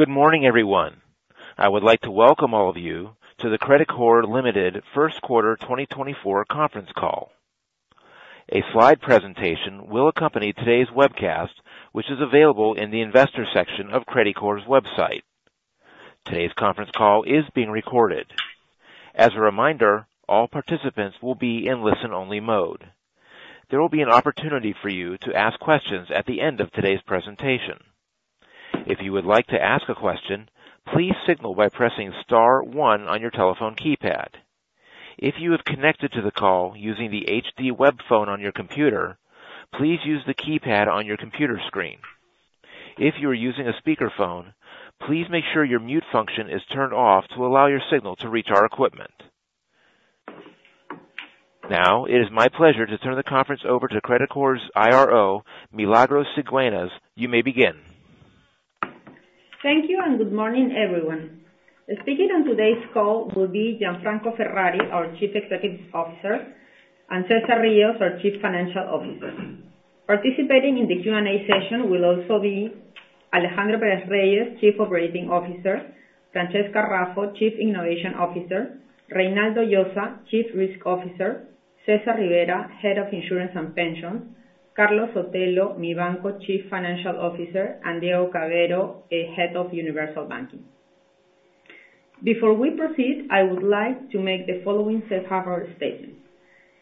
Good morning, everyone. I would like to welcome all of you to the Credicorp Ltd. First Quarter 2024 conference call. A slide presentation will accompany today's webcast, which is available in the investor section of Credicorp's website. Today's conference call is being recorded. As a reminder, all participants will be in listen-only mode. There will be an opportunity for you to ask questions at the end of today's presentation. If you would like to ask a question, please signal by pressing star one on your telephone keypad. If you have connected to the call using the HD web phone on your computer, please use the keypad on your computer screen. If you are using a speakerphone, please make sure your mute function is turned off to allow your signal to reach our equipment. Now, it is my pleasure to turn the conference over to Credicorp's IRO, Milagros Cigüeñas. You may begin. Thank you, and good morning, everyone. Speaking on today's call will be Gianfranco Ferrari, our Chief Executive Officer, and César Ríosrios, our Chief Financial Officer. Participating in the Q&A session will also be Alejandro Pérez-Reyes, Chief Operating Officer, Francesca Raffo, Chief Innovation Officer, Reynaldo Llosa, Chief Risk Officer, César Rivera, Head of Insurance and Pensions, Carlos Sotelo, Mibanco Chief Financial Officer, and Diego Cavero, Head of Universal Banking. Before we proceed, I would like to make the following safe harbor statement.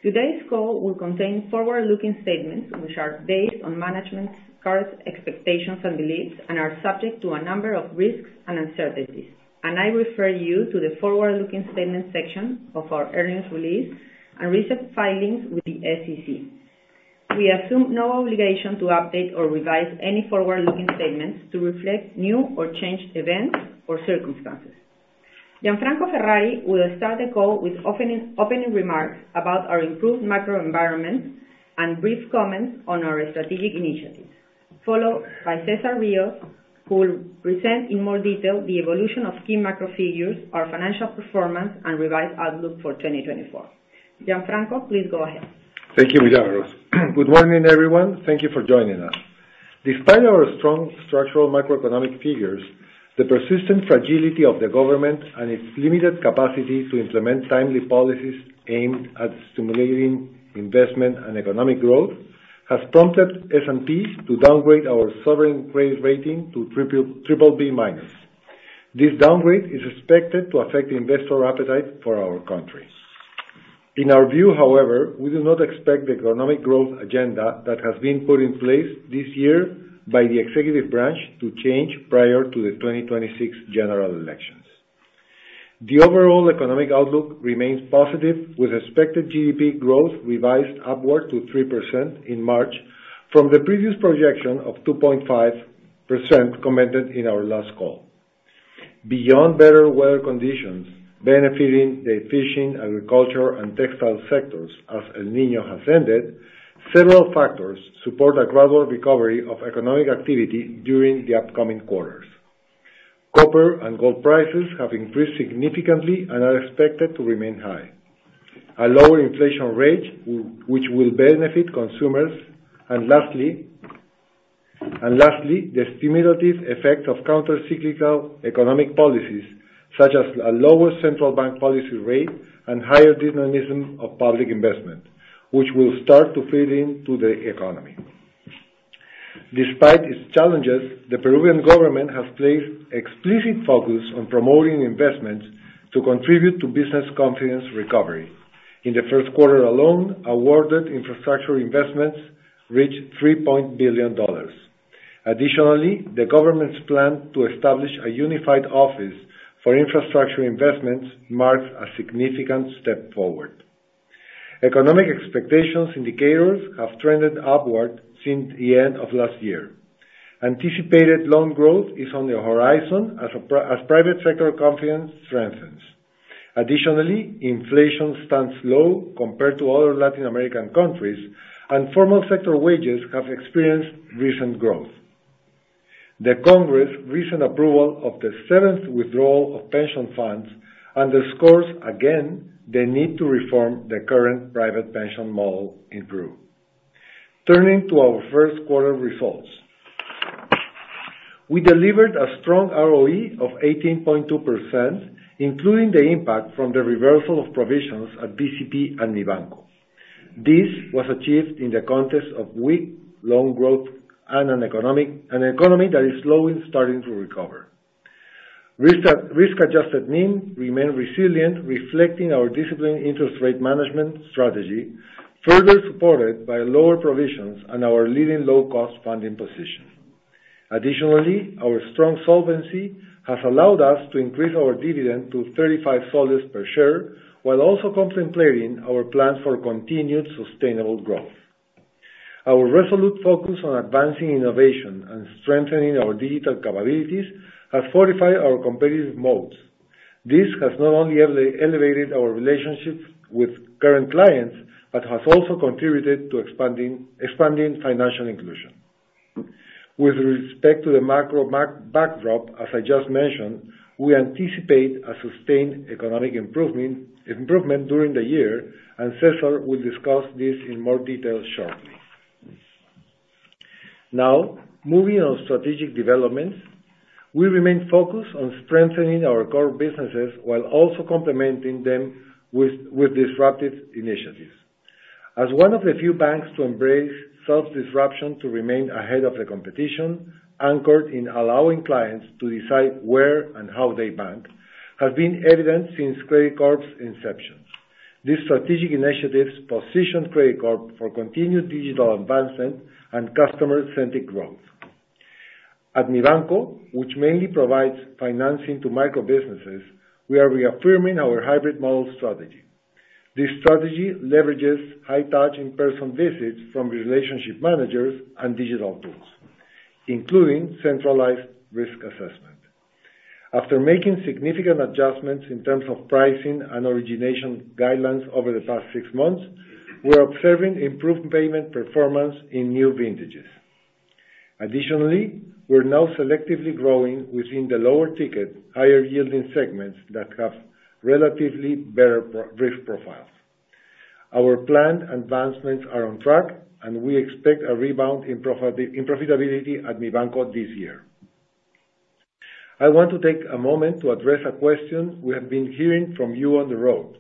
Today's call will contain forward-looking statements, which are based on management's current expectations and beliefs and are subject to a number of risks and uncertainties. I refer you to the forward-looking statements section of our earnings release and recent filings with the SEC. We assume no obligation to update or revise any forward-looking statements to reflect new or changed events or circumstances. Gianfranco Ferrari will start the call with opening remarks about our improved macro environment and brief comments on our strategic initiatives, followed by César Ríos, who will present in more detail the evolution of key macro figures, our financial performance, and revised outlook for 2024. Gianfranco, please go ahead. Thank you, Milagros. Good morning, everyone. Thank you for joining us. Despite our strong structural macroeconomic figures, the persistent fragility of the government and its limited capacity to implement timely policies aimed at stimulating investment and economic growth has prompted S&P to downgrade our sovereign credit rating to BBB-. This downgrade is expected to affect investor appetite for our country. In our view, however, we do not expect the economic growth agenda that has been put in place this year by the executive branch to change prior to the 2026 general elections. The overall economic outlook remains positive, with expected GDP growth revised upward to 3% in March from the previous projection of 2.5% commented in our last call. Beyond better weather conditions benefiting the fishing, agriculture, and textile sectors as El Niño has ended, several factors support a gradual recovery of economic activity during the upcoming quarters. Copper and gold prices have increased significantly and are expected to remain high, a lower inflation rate, which will benefit consumers, and lastly, and lastly, the stimulative effect of countercyclical economic policies, such as a lower central bank policy rate and higher dynamism of public investment, which will start to feed into the economy. Despite its challenges, the Peruvian government has placed explicit focus on promoting investments to contribute to business confidence recovery. In the first quarter alone, awarded infrastructure investments reached $3 billion. Additionally, the government's plan to establish a unified office for infrastructure investments marks a significant step forward. Economic expectations indicators have trended upward since the end of last year. Anticipated loan growth is on the horizon as private sector confidence strengthens. Additionally, inflation stands low compared to other Latin American countries, and formal sector wages have experienced recent growth. The Congress' recent approval of the seventh withdrawal of pension funds underscores again the need to reform the current private pension model in Peru. Turning to our first quarter results. We delivered a strong ROE of 18.2%, including the impact from the reversal of provisions at BCP and Mibanco. This was achieved in the context of weak loan growth and an economy that is slowly starting to recover. Risk-adjusted NIM remained resilient, reflecting our disciplined interest rate management strategy, further supported by lower provisions and our leading low-cost funding position. Additionally, our strong solvency has allowed us to increase our dividend to PEN 35 per share, while also contemplating our plans for continued sustainable growth. Our resolute focus on advancing innovation and strengthening our digital capabilities have fortified our competitive moats. This has not only elevated our relationships with current clients, but has also contributed to expanding financial inclusion. With respect to the macro backdrop, as I just mentioned, we anticipate a sustained economic improvement during the year, and César will discuss this in more detail shortly. Now, moving on strategic developments, we remain focused on strengthening our core businesses while also complementing them with disruptive initiatives. As one of the few banks to embrace self-disruption to remain ahead of the competition, anchored in allowing clients to decide where and how they bank, has been evident since Credicorp's inception. These strategic initiatives position Credicorp for continued digital advancement and customer-centric growth. At Mibanco, which mainly provides financing to micro-businesses, we are reaffirming our hybrid model strategy. This strategy leverages high-touch, in-person visits from relationship managers and digital tools, including centralized risk assessment. After making significant adjustments in terms of pricing and origination guidelines over the past six months, we are observing improved payment performance in new vintages. Additionally, we're now selectively growing within the lower-ticket, higher-yielding segments that have relatively better risk profiles. Our planned advancements are on track, and we expect a rebound in profitability at Mibanco this year. I want to take a moment to address a question we have been hearing from you on the road,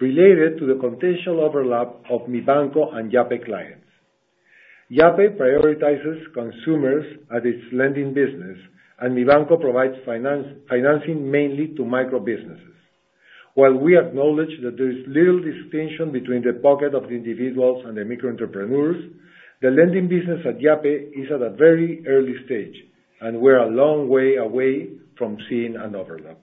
related to the potential overlap of Mibanco and Yape clients. Yape prioritizes consumers at its lending business, and Mibanco provides financing mainly to micro-businesses. While we acknowledge that there is little distinction between the pocket of the individuals and the micro entrepreneurs, the lending business at Yape is at a very early stage, and we're a long way away from seeing an overlap.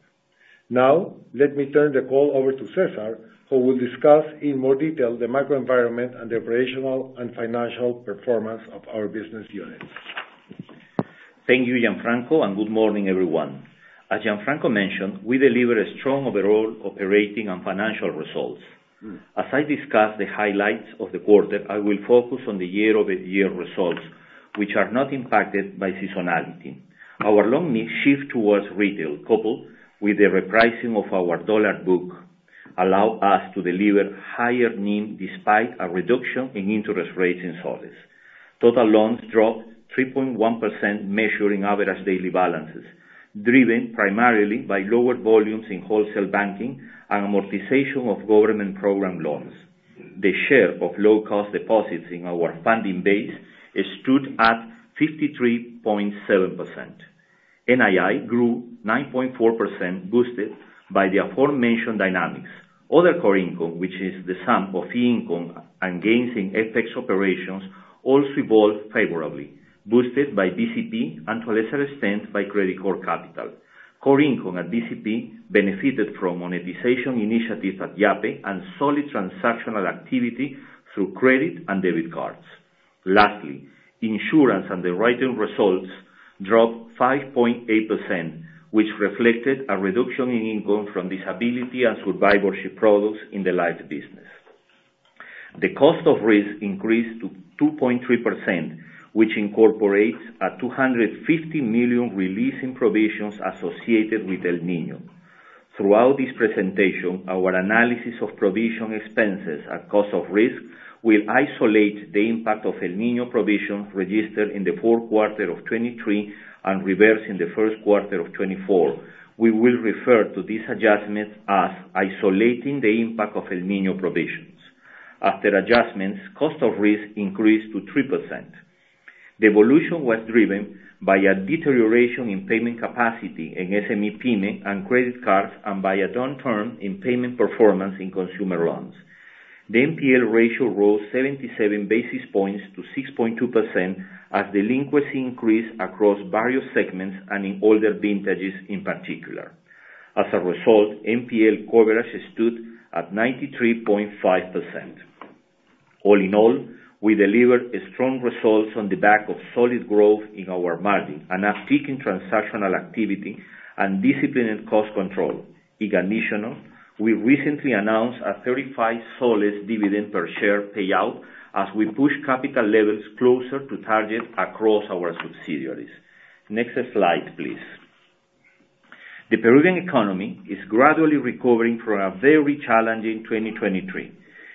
Now, let me turn the call over to César, who will discuss in more detail the macro environment and the operational and financial performance of our business units. Thank you, Gianfranco, and good morning, everyone. As Gianfranco mentioned, we delivered a strong overall operating and financial results. As I discuss the highlights of the quarter, I will focus on the year-over-year results, which are not impacted by seasonality. Our loan mix shift towards retail, coupled with the repricing of our dollar book, allowed us to deliver higher NIM despite a reduction in interest rates in soles. Total loans dropped 3.1%, measuring average daily balances, driven primarily by lower volumes in wholesale banking and amortization of government program loans. The share of low-cost deposits in our funding base stood at 53.7%. NII grew 9.4%, boosted by the aforementioned dynamics. Other core income, which is the sum of fee income and gains in FX operations, also evolved favorably, boosted by BCP and to a lesser extent, by Credicorp Capital. Core income at BCP benefited from monetization initiatives at Yape and solid transactional activity through credit and debit cards. Lastly, insurance underwriting results dropped 5.8%, which reflected a reduction in income from disability and survivorship products in the life business. The cost of risk increased to 2.3%, which incorporates a $250 million release in provisions associated with El Niño. Throughout this presentation, our analysis of provision expenses and cost of risk will isolate the impact of El Niño provisions registered in the fourth quarter of 2023 and reversed in the first quarter of 2024. We will refer to these adjustments as isolating the impact of El Niño provisions. After adjustments, cost of risk increased to 3%. The evolution was driven by a deterioration in payment capacity in SME, PYME, and credit cards, and by a downturn in payment performance in consumer loans. The NPL ratio rose 77 basis points to 6.2%, as delinquency increased across various segments and in older vintages in particular. As a result, NPL coverage stood at 93.5%. All in all, we delivered strong results on the back of solid growth in our margin and a peak in transactional activity and disciplined cost control. In addition, we recently announced a 35 PEN dividend per share payout, as we push capital levels closer to target across our subsidiaries. Next slide, please. The Peruvian economy is gradually recovering from a very challenging 2023.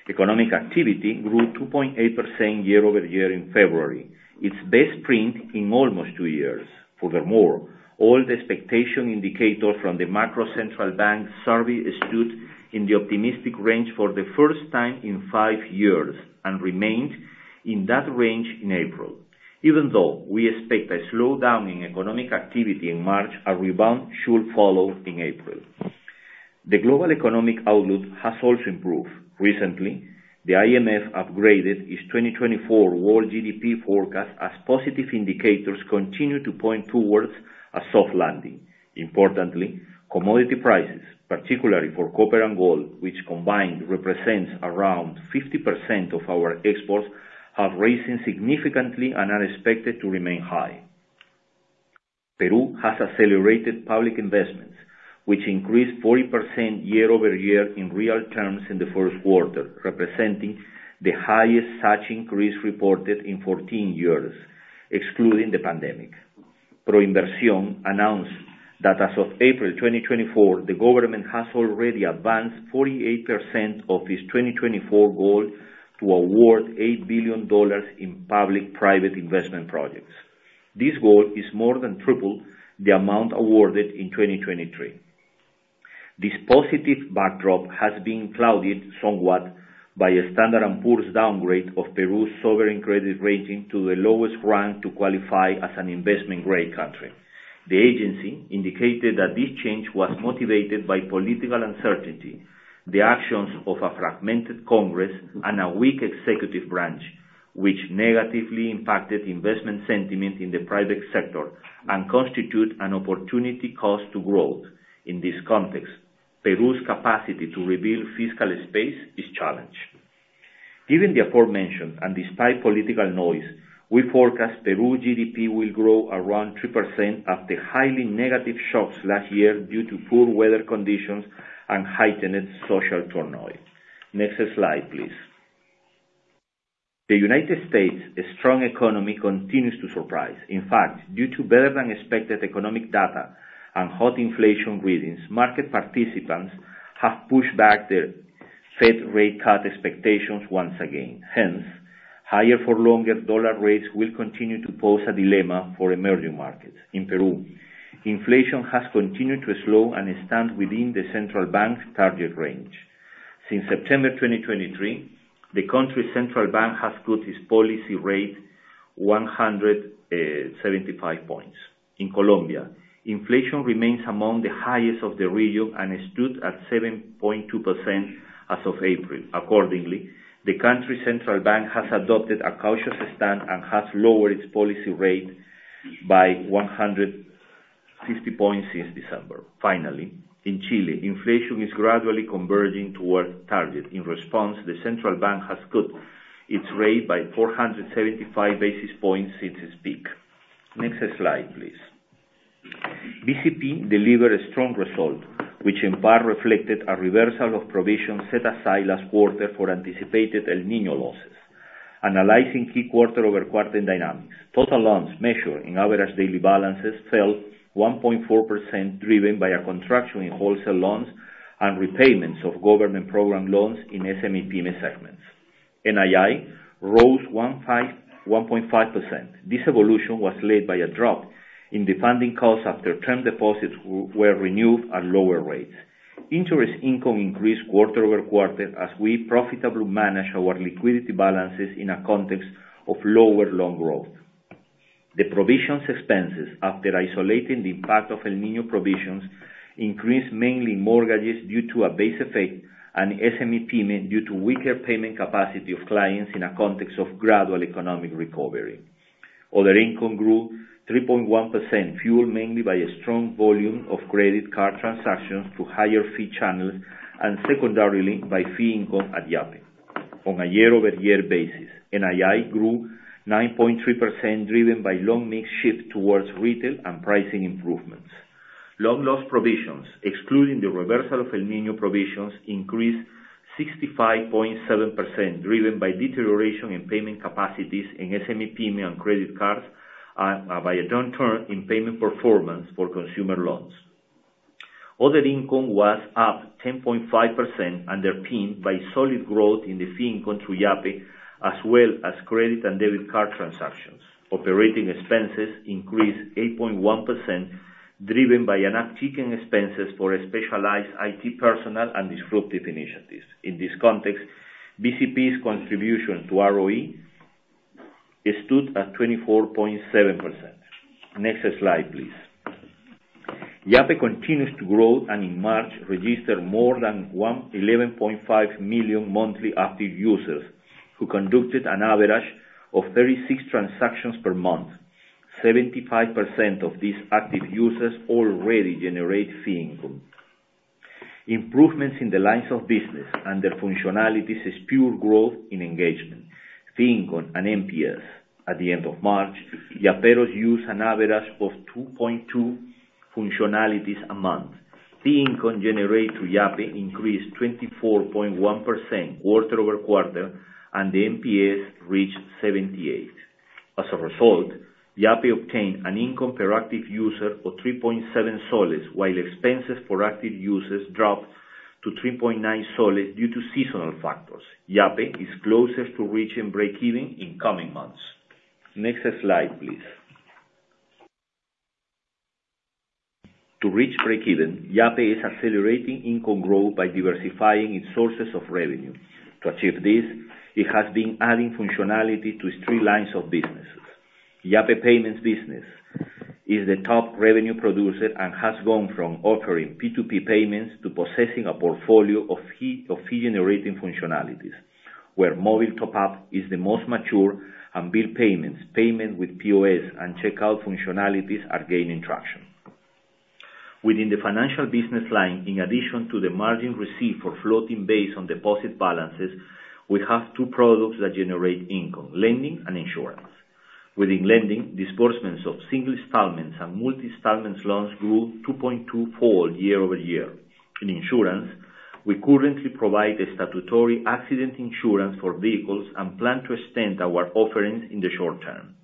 Economic activity grew 2.8% year-over-year in February, its best print in almost two years. Furthermore, all the expectation indicators from the macro central bank survey stood in the optimistic range for the first time in 5 years and remained in that range in April. Even though we expect a slowdown in economic activity in March, a rebound should follow in April. The global economic outlook has also improved. Recently, the IMF upgraded its 2024 world GDP forecast as positive indicators continue to point towards a soft landing. Importantly, commodity prices, particularly for copper and gold, which combined represents around 50% of our exports, have risen significantly and are expected to remain high. Peru has accelerated public investments, which increased 40% year-over-year in real terms in the first quarter, representing the highest such increase reported in 14 years, excluding the pandemic. ProInversión announced that as of April 2024, the government has already advanced 48% of its 2024 goal to award $8 billion in public-private investment projects. This goal is more than triple the amount awarded in 2023. This positive backdrop has been clouded somewhat by an S&P Global Ratings downgrade of Peru's sovereign credit rating to the lowest rank to qualify as an investment grade country. The agency indicated that this change was motivated by political uncertainty, the actions of a fragmented congress, and a weak executive branch, which negatively impacted investment sentiment in the private sector and constitute an opportunity cost to growth. In this context, Peru's capacity to rebuild fiscal space is challenged. Given the aforementioned, and despite political noise, we forecast Peru GDP will grow around 3% after highly negative shocks last year due to poor weather conditions and heightened social turmoil. Next slide, please. The United States, a strong economy, continues to surprise. In fact, due to better-than-expected economic data and hot inflation readings, market participants have pushed back their Fed rate cut expectations once again. Hence, higher for longer dollar rates will continue to pose a dilemma for emerging markets. In Peru, inflation has continued to slow and stand within the central bank's target range. Since September 2023, the country's central bank has cut its policy rate 175 points. In Colombia, inflation remains among the highest of the region and stood at 7.2% as of April. Accordingly, the country's central bank has adopted a cautious stand and has lowered its policy rate by 160 points since December. Finally, in Chile, inflation is gradually converging towards target. In response, the central bank has cut its rate by 475 basis points since its peak. Next slide, please. BCP delivered a strong result, which in part reflected a reversal of provisions set aside last quarter for anticipated El Niño losses. Analyzing key quarter-over-quarter dynamics, total loans measured in average daily balances fell 1.4%, driven by a contraction in wholesale loans and repayments of government program loans in SME, PYME segments. NII rose 1.5%. This evolution was led by a drop in the funding costs after term deposits were renewed at lower rates. Interest income increased quarter-over-quarter as we profitably managed our liquidity balances in a context of lower loan growth. The provisions expenses, after isolating the impact of El Niño provisions, increased mainly in mortgages due to a base effect and SME, PYME due to weaker payment capacity of clients in a context of gradual economic recovery. Other income grew 3.1%, fueled mainly by a strong volume of credit card transactions through higher fee channels, and secondarily by fee income at Yape. On a year-over-year basis, NII grew 9.3%, driven by loan mix shift towards retail and pricing improvements. Loan loss provisions, excluding the reversal of El Niño provisions, increased 65.7%, driven by deterioration in payment capacities in SME, PYME and credit cards, and by a downturn in payment performance for consumer loans. Other income was up 10.5%, underpinned by solid growth in the fee income through Yape, as well as credit and debit card transactions. Operating expenses increased 8.1%, driven by an uptick in expenses for a specialized IT personnel and disruptive initiatives. In this context, BCP's contribution to ROE stood at 24.7%. Next slide, please. Yape continues to grow, and in March, registered more than 111.5 million monthly active users, who conducted an average of 36 transactions per month. 75% of these active users already generate fee income. Improvements in the lines of business and their functionalities spur growth in engagement, fee income and NPS. At the end of March, Yaperos used an average of 2.2 functionalities a month. Fee income generated through Yape increased 24.1% quarter-over-quarter, and the NPS reached 78. As a result, Yape obtained an income per active user of 3.7 PEN, while expenses per active users dropped to 3.9 PEN due to seasonal factors. Yape is closer to reaching breakeven in coming months. Next slide, please. To reach breakeven, Yape is accelerating income growth by diversifying its sources of revenue. To achieve this, it has been adding functionality to its three lines of businesses. Yape payments business is the top revenue producer and has gone from offering P2P payments to possessing a portfolio of fee-generating functionalities, where mobile top-up is the most mature, and bill payments, payment with POS and checkout functionalities are gaining traction. Within the financial business line, in addition to the margin received for floating based on deposit balances, we have two products that generate income, lending and insurance. Within lending, disbursements of single installments and multi-installments loans grew 2.24 year-over-year. In insurance, we currently provide a statutory accident insurance for vehicles and plan to extend our offerings in the short term.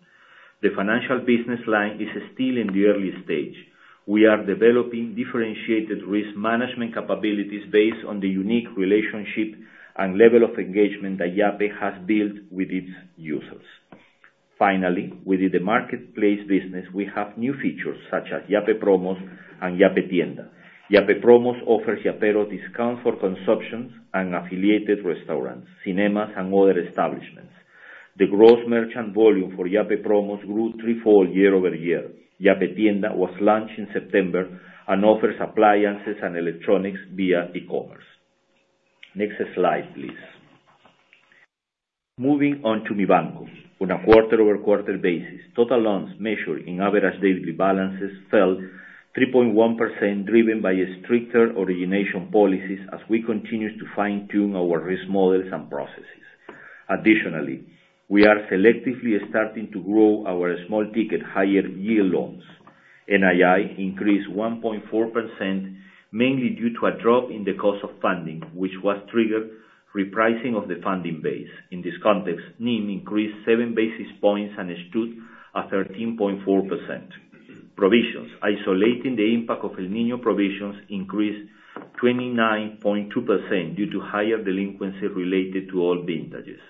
The financial business line is still in the early stage. We are developing differentiated risk management capabilities based on the unique relationship and level of engagement that Yape has built with its users. Finally, within the marketplace business, we have new features such as Yape Promos and Yape Tienda. Yape Promos offers Yaperos discount for consumption and affiliated restaurants, cinemas, and other establishments. The gross merchant volume for Yape Promos grew threefold year-over-year. Yape Tienda was launched in September and offers appliances and electronics via e-commerce. Next slide, please. Moving on to Mibanco. On a quarter-over-quarter basis, total loans measured in average daily balances fell 3.1%, driven by stricter origination policies as we continue to fine-tune our risk models and processes. Additionally, we are selectively starting to grow our small ticket, higher yield loans. NII increased 1.4%, mainly due to a drop in the cost of funding, which was triggered repricing of the funding base. In this context, NIM increased 7 basis points and stood at 13.4%. Provisions, isolating the impact of El Niño provisions, increased 29.2% due to higher delinquency related to all vintages.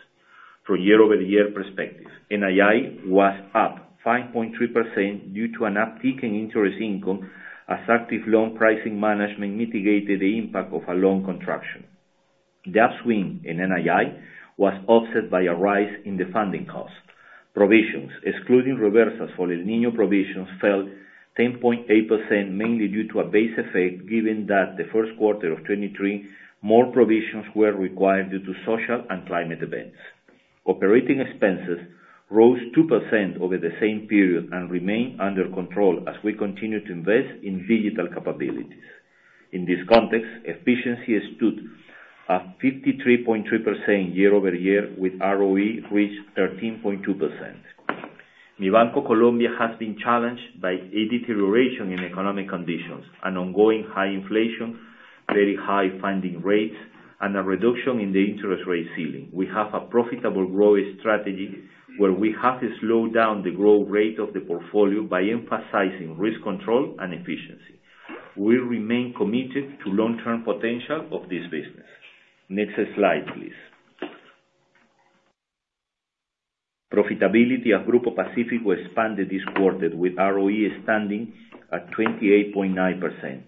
From year-over-year perspective, NII was up 5.3% due to an uptick in interest income, as active loan pricing management mitigated the impact of a loan contraction. The upswing in NII was offset by a rise in the funding cost. Provisions, excluding reversals for El Niño provisions, fell 10.8%, mainly due to a base effect, given that the first quarter of 2023, more provisions were required due to social and climate events. Operating expenses rose 2% over the same period and remain under control as we continue to invest in digital capabilities. In this context, efficiency stood at 53.3% year-over-year, with ROE reached 13.2%. Mibanco Colombia has been challenged by a deterioration in economic conditions and ongoing high inflation, very high funding rates, and a reduction in the interest rate ceiling. We have a profitable growth strategy, where we have to slow down the growth rate of the portfolio by emphasizing risk control and efficiency. We remain committed to long-term potential of this business. Next slide, please. Profitability at Grupo Pacífico expanded this quarter, with ROE standing at 28.9%.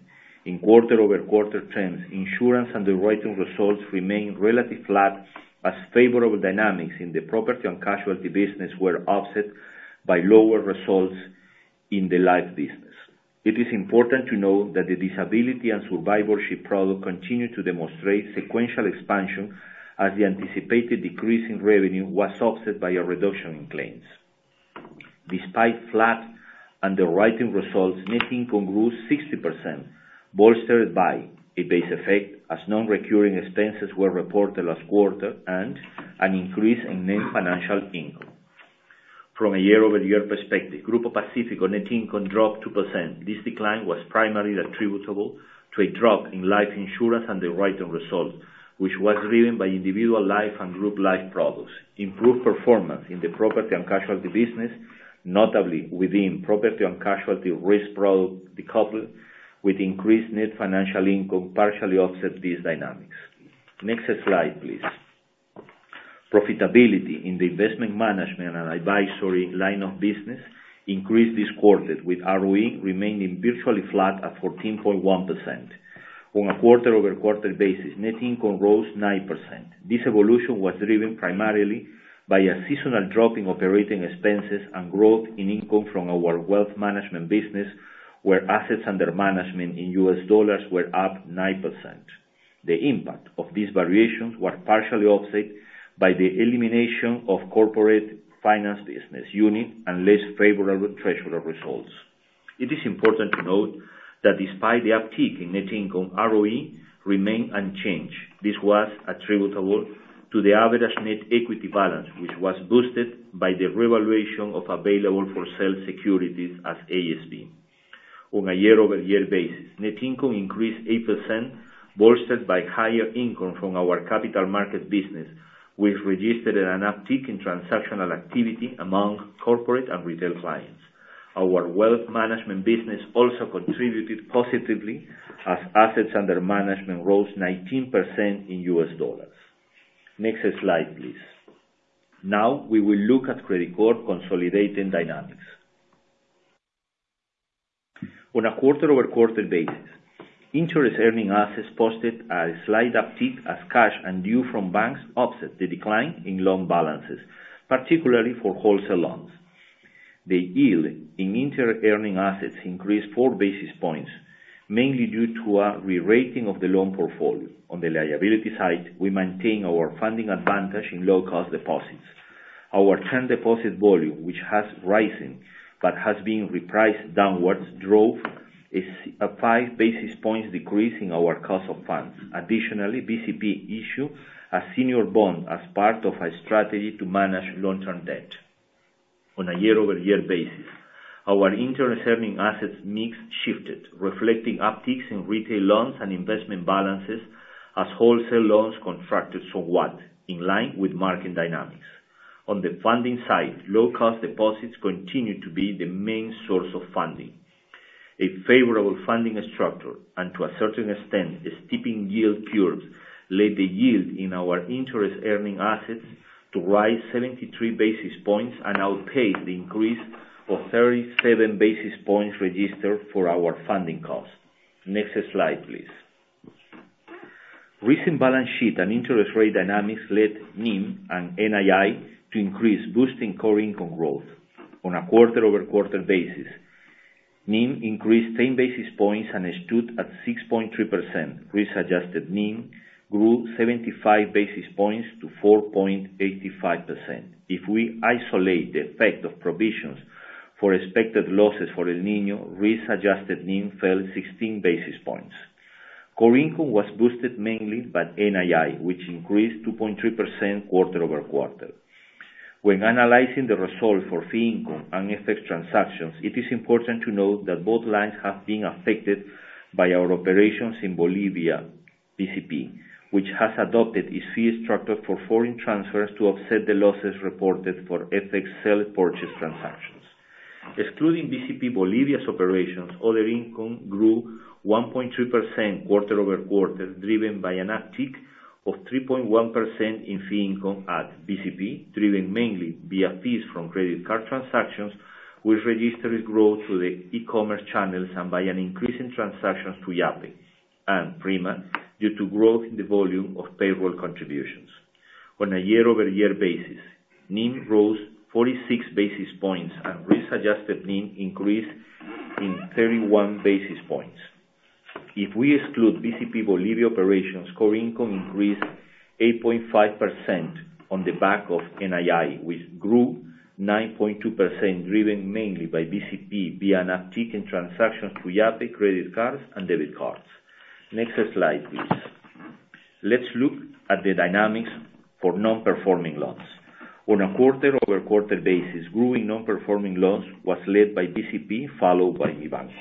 In quarter-over-quarter trends, insurance underwriting results remained relatively flat, as favorable dynamics in the property and casualty business were offset by lower results in the life business. It is important to note that the disability and survivorship product continued to demonstrate sequential expansion, as the anticipated decrease in revenue was offset by a reduction in claims. Despite flat underwriting results, net income grew 60%, bolstered by a base effect as non-recurring expenses were reported last quarter and an increase in net financial income. From a year-over-year perspective, Grupo Pacífico net income dropped 2%. This decline was primarily attributable to a drop in life insurance and underwriting results, which was driven by individual life and group life products. Improved performance in the property and casualty business, notably within property and casualty risk product, decoupled with increased net financial income, partially offset these dynamics. Next slide, please. Profitability in the investment management and advisory line of business increased this quarter, with ROE remaining virtually flat at 14.1%. On a quarter-over-quarter basis, net income rose 9%. This evolution was driven primarily by a seasonal drop in operating expenses and growth in income from our wealth management business, where assets under management in U.S. dollars were up 9%. The impact of these variations were partially offset by the elimination of corporate finance business unit and less favorable treasury results. It is important to note that despite the uptick in net income, ROE remained unchanged. This was attributable to the average net equity balance, which was boosted by the revaluation of available-for-sale securities as AFS. On a year-over-year basis, net income increased 8%, bolstered by higher income from our capital market business, which registered an uptick in transactional activity among corporate and retail clients. Our wealth management business also contributed positively, as assets under management rose 19% in U.S. dollars. Next slide, please. Now, we will look at Credicorp consolidating dynamics. On a quarter-over-quarter basis, interest earning assets posted a slight uptick, as cash and due from banks offset the decline in loan balances, particularly for wholesale loans. The yield in interest earning assets increased 4 basis points, mainly due to a rerating of the loan portfolio. On the liability side, we maintain our funding advantage in low-cost deposits. Our term deposit volume, which has risen but has been repriced downwards, drove a 5 basis points decrease in our cost of funds. Additionally, BCP issued a senior bond as part of a strategy to manage long-term debt. On a year-over-year basis, our interest earning assets mix shifted, reflecting upticks in retail loans and investment balances, as wholesale loans contracted somewhat, in line with market dynamics. On the funding side, low-cost deposits continued to be the main source of funding. A favorable funding structure, and to a certain extent, a steepening yield curves, led the yield in our interest earning assets to rise 73 basis points and outpace the increase of 37 basis points registered for our funding costs. Next slide, please. Recent balance sheet and interest rate dynamics led NIM and NII to increase, boosting core income growth. On a quarter-over-quarter basis, NIM increased 10 basis points and stood at 6.3%. Risk-adjusted NIM grew 75 basis points to 4.85%. If we isolate the effect of provisions for expected losses for El Niño, risk-adjusted NIM fell 16 basis points. Core income was boosted mainly by NII, which increased 2.3% quarter-over-quarter. When analyzing the result for fee income and FX transactions, it is important to note that both lines have been affected by our operations in Bolivia, BCP, which has adopted a fee structure for foreign transfers to offset the losses reported for FX sell purchase transactions. Excluding BCP Bolivia's operations, other income grew 1.2% quarter-over-quarter, driven by an uptick of 3.1% in fee income at BCP, driven mainly via fees from credit card transactions, which registered growth through the e-commerce channels and by an increase in transactions through Yape and Prima, due to growth in the volume of payroll contributions. On a year-over-year basis, NIM rose 46 basis points, and risk-adjusted NIM increased 31 basis points. If we exclude BCP Bolivia operations, core income increased 8.5% on the back of NII, which grew 9.2%, driven mainly by BCP via an uptick in transactions through Yape, credit cards, and debit cards. Next slide, please. Let's look at the dynamics for non-performing loans. On a quarter-over-quarter basis, growing non-performing loans was led by BCP, followed by Mibanco.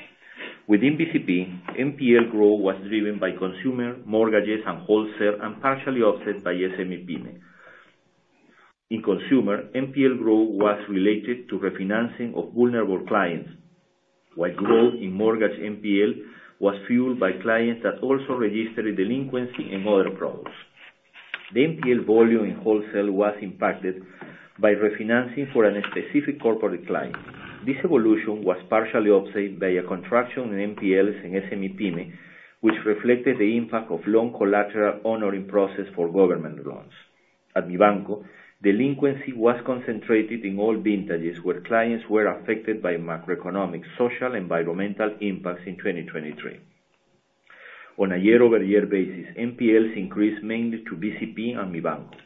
Within BCP, NPL growth was driven by consumer, mortgages, and wholesale, and partially offset by SME PYME. In consumer, NPL growth was related to refinancing of vulnerable clients, while growth in mortgage NPL was fueled by clients that also registered a delinquency and other problems. The NPL volume in wholesale was impacted by refinancing for a specific corporate client. This evolution was partially offset by a contraction in NPLs in SME PYME, which reflected the impact of loan collateral honoring process for government loans. At Mibanco, delinquency was concentrated in all vintages, where clients were affected by macroeconomic, social, environmental impacts in 2023. On a year-over-year basis, NPLs increased mainly to BCP and Mibanco.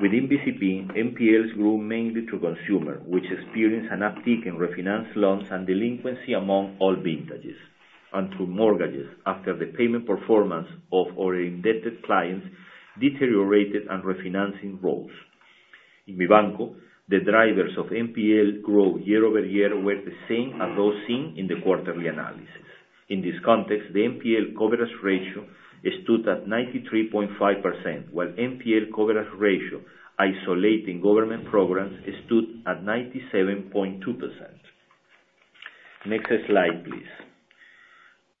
Within BCP, NPLs grew mainly to consumer, which experienced an uptick in refinance loans and delinquency among all vintages, and to mortgages after the payment performance of our indebted clients deteriorated and refinancing rose. In Mibanco, the drivers of NPL growth year-over-year were the same as those seen in the quarterly analysis. In this context, the NPL coverage ratio stood at 93.5%, while NPL coverage ratio, isolating government programs, stood at 97.2%. Next slide, please.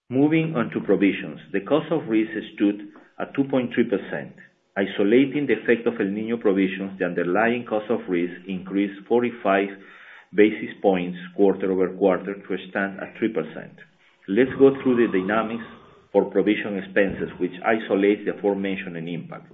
Moving on to provisions. The cost of risk stood at 2.3%. Isolating the effect of El Niño provisions, the underlying cost of risk increased 45 basis points quarter-over-quarter to stand at 3%. Let's go through the dynamics for provision expenses, which isolate the aforementioned impact.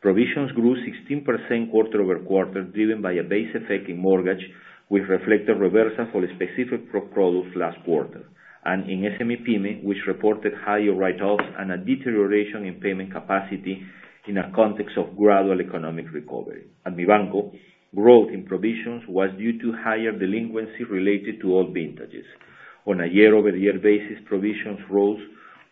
Provisions grew 16% quarter-over-quarter, driven by a base effect in mortgage, which reflected reversal for a specific pro product last quarter, and in SME PYME, which reported higher write-offs and a deterioration in payment capacity in a context of gradual economic recovery. At Mibanco, growth in provisions was due to higher delinquency related to all vintages. On a year-over-year basis, provisions rose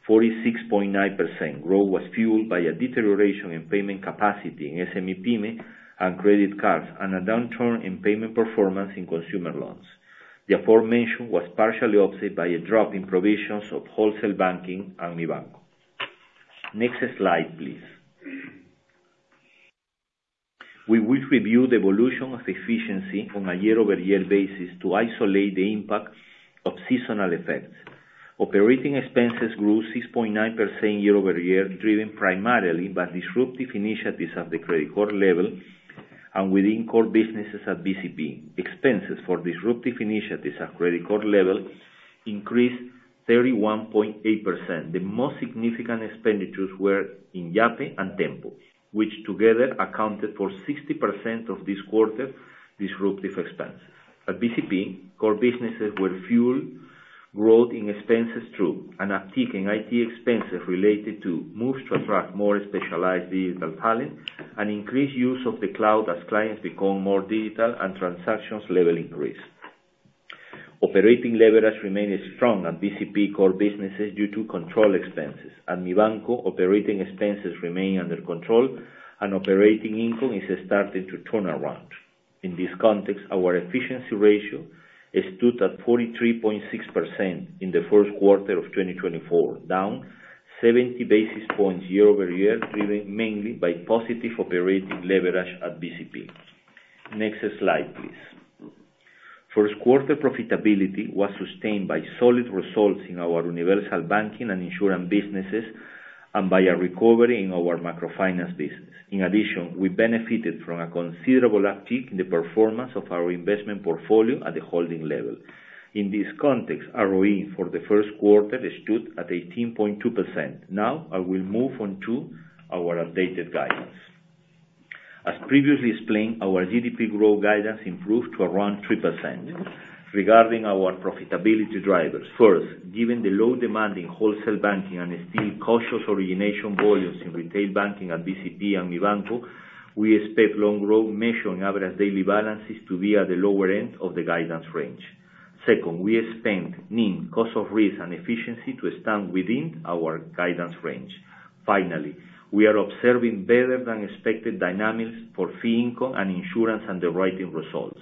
46.9%. Growth was fueled by a deterioration in payment capacity in SME PYME and credit cards, and a downturn in payment performance in consumer loans. The aforementioned was partially offset by a drop in provisions of wholesale banking at Mibanco. Next slide, please. We will review the evolution of efficiency on a year-over-year basis to isolate the impact of seasonal effects. Operating expenses grew 6.9% year-over-year, driven primarily by disruptive initiatives at the credit card level and within core businesses at BCP. Expenses for disruptive initiatives at credit card level increased 31.8%. The most significant expenditures were in Yape and Tenpo, which together accounted for 60% of this quarter's disruptive expense. At BCP, core businesses fueled growth in expenses through an uptick in IT expenses related to moves to attract more specialized digital talent and increased use of the cloud as clients become more digital and transaction levels increase. Operating leverage remained strong at BCP core businesses due to control expenses. At Mibanco, operating expenses remain under control, and operating income is starting to turn around. In this context, our efficiency ratio is stood at 43.6% in the first quarter of 2024, down 70 basis points year-over-year, driven mainly by positive operating leverage at BCP. Next slide, please. First quarter profitability was sustained by solid results in our universal banking and insurance businesses, and by a recovery in our microfinance business. In addition, we benefited from a considerable uptick in the performance of our investment portfolio at the holding level. In this context, ROE for the first quarter stood at 18.2%. Now, I will move on to our updated guidance. As previously explained, our GDP growth guidance improved to around 3%. Regarding our profitability drivers, first, given the low demand in wholesale banking and still cautious origination volumes in retail banking at BCP and Mibanco, we expect loan growth measuring average daily balances to be at the lower end of the guidance range. Second, we expect NIM, cost of risk, and efficiency to stand within our guidance range. Finally, we are observing better than expected dynamics for fee income and insurance underwriting results.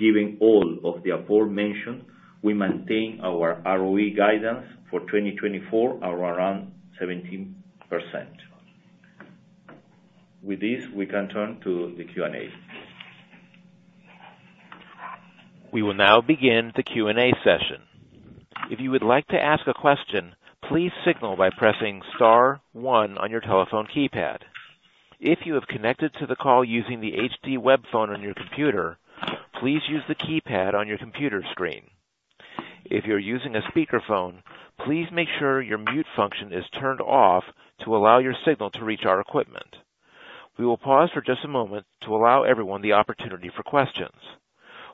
Given all of the aforementioned, we maintain our ROE guidance for 2024 are around 17%. With this, we can turn to the Q&A. We will now begin the Q&A session. If you would like to ask a question, please signal by pressing star one on your telephone keypad. If you have connected to the call using the HD web phone on your computer, please use the keypad on your computer screen. If you're using a speakerphone, please make sure your mute function is turned off to allow your signal to reach our equipment. We will pause for just a moment to allow everyone the opportunity for questions.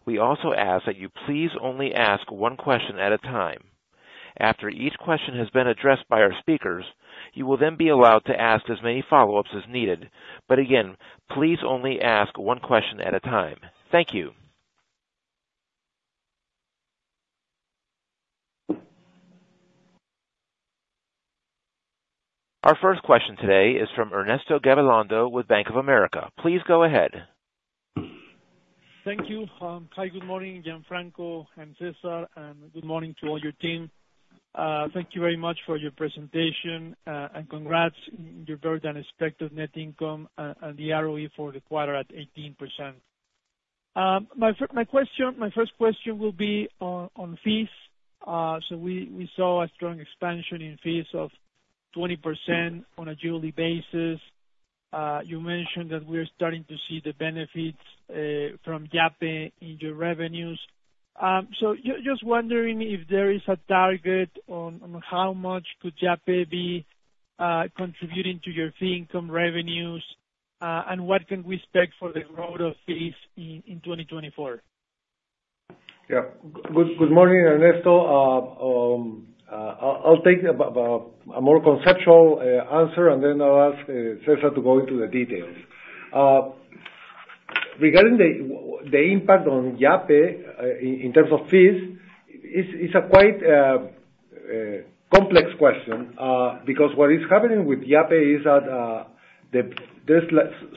We also ask that you please only ask one question at a time. After each question has been addressed by our speakers, you will then be allowed to ask as many follow-ups as needed. But again, please only ask one question at a time. Thank you. Our first question today is from Ernesto Gabilondo with Bank of America. Please go ahead. Thank you. Hi, good morning, Gianfranco and César, and good morning to all your team. Thank you very much for your presentation, and congrats on your very unexpected net income, and the ROE for the quarter at 18%. My first question will be on fees. So we saw a strong expansion in fees of 20% on a yearly basis. You mentioned that we're starting to see the benefits from Yape in your revenues. So just wondering if there is a target on how much could Yape be contributing to your fee income revenues? And what can we expect for the growth of fees in 2024? Yeah. Good morning, Ernesto. I'll take a more conceptual answer, and then I'll ask César to go into the details. Regarding the impact on Yape, in terms of fees, it's quite complex question, because what is happening with Yape is that there's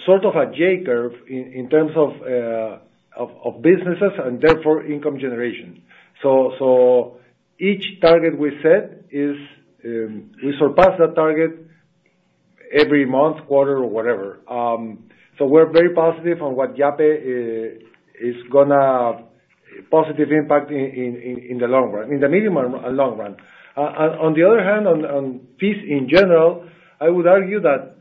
sort of a J curve in terms of businesses and therefore income generation. So each target we set is, we surpass that target every month, quarter, or whatever. So we're very positive on what Yape is gonna positive impact in the long run, in the medium and long run. On the other hand, on fees in general, I would argue that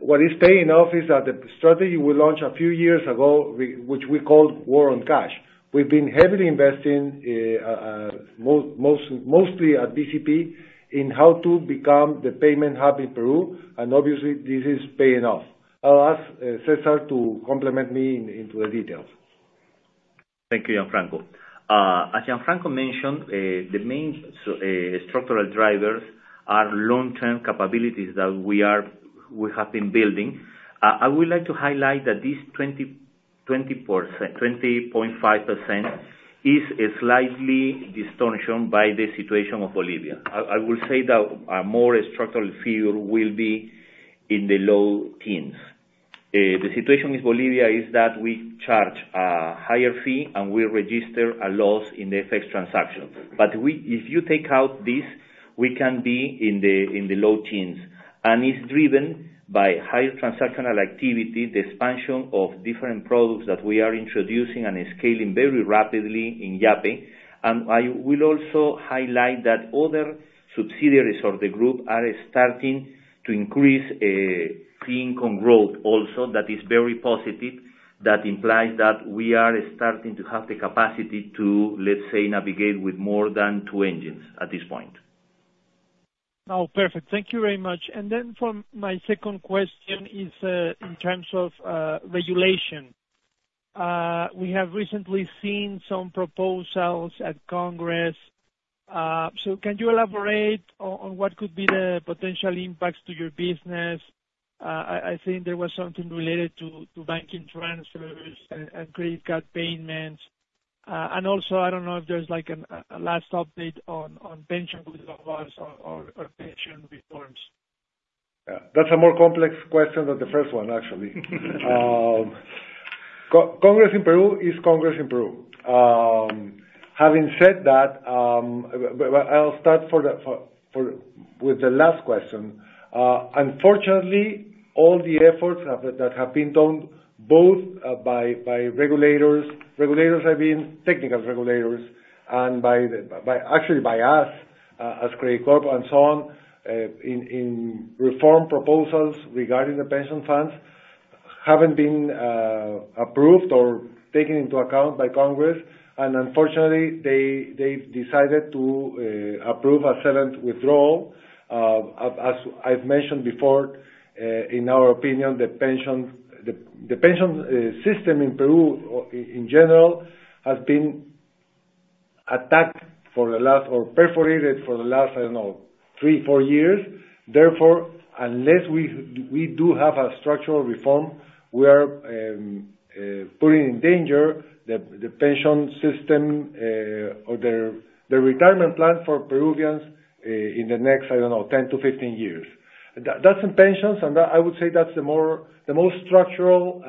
what is paying off is that the strategy we launched a few years ago, which we called War on Cash. We've been heavily investing, mostly at BCP, in how to become the payment hub in Peru, and obviously this is paying off. I'll ask César to complement me into the details. Thank you, Gianfranco. As Gianfranco mentioned, the main structural drivers are long-term capabilities that we are, we have been building. I would like to highlight that this 20.5% is slightly distorted by the situation of Bolivia. I, I will say that a more structural fee will be in the low teens. The situation with Bolivia is that we charge a higher fee, and we register a loss in the FX transaction. But we, if you take out this, we can be in the, in the low teens. And it's driven by higher transactional activity, the expansion of different products that we are introducing and scaling very rapidly in Yape. And I will also highlight that other subsidiaries of the group are starting to increase fee income growth also. That is very positive. That implies that we are starting to have the capacity to, let's say, navigate with more than two engines at this point. Oh, perfect. Thank you very much. And then for my second question is, in terms of regulation. We have recently seen some proposals at Congress. So can you elaborate on what could be the potential impacts to your business? I think there was something related to banking transfers and credit card payments. And also, I don't know if there's like a last update on pension or pension reforms. Yeah. That's a more complex question than the first one, actually. Congress in Peru is Congress in Peru. Having said that, well, I'll start with the last question. Unfortunately, all the efforts that have been done, both by regulators, I mean technical regulators, and, actually, by us as Credicorp and so on, in reform proposals regarding the pension funds, haven't been approved or taken into account by Congress. Unfortunately, they've decided to approve a silent withdrawal. As I've mentioned before, in our opinion, the pension system in Peru, in general, has been attacked for the last or perforated for the last, I don't know, 3-4 years. Therefore, unless we do have a structural reform, we are putting in danger the pension system or the retirement plan for Peruvians in the next, I don't know, 10-15 years. That's in pensions, and that, I would say that's the more—the most structural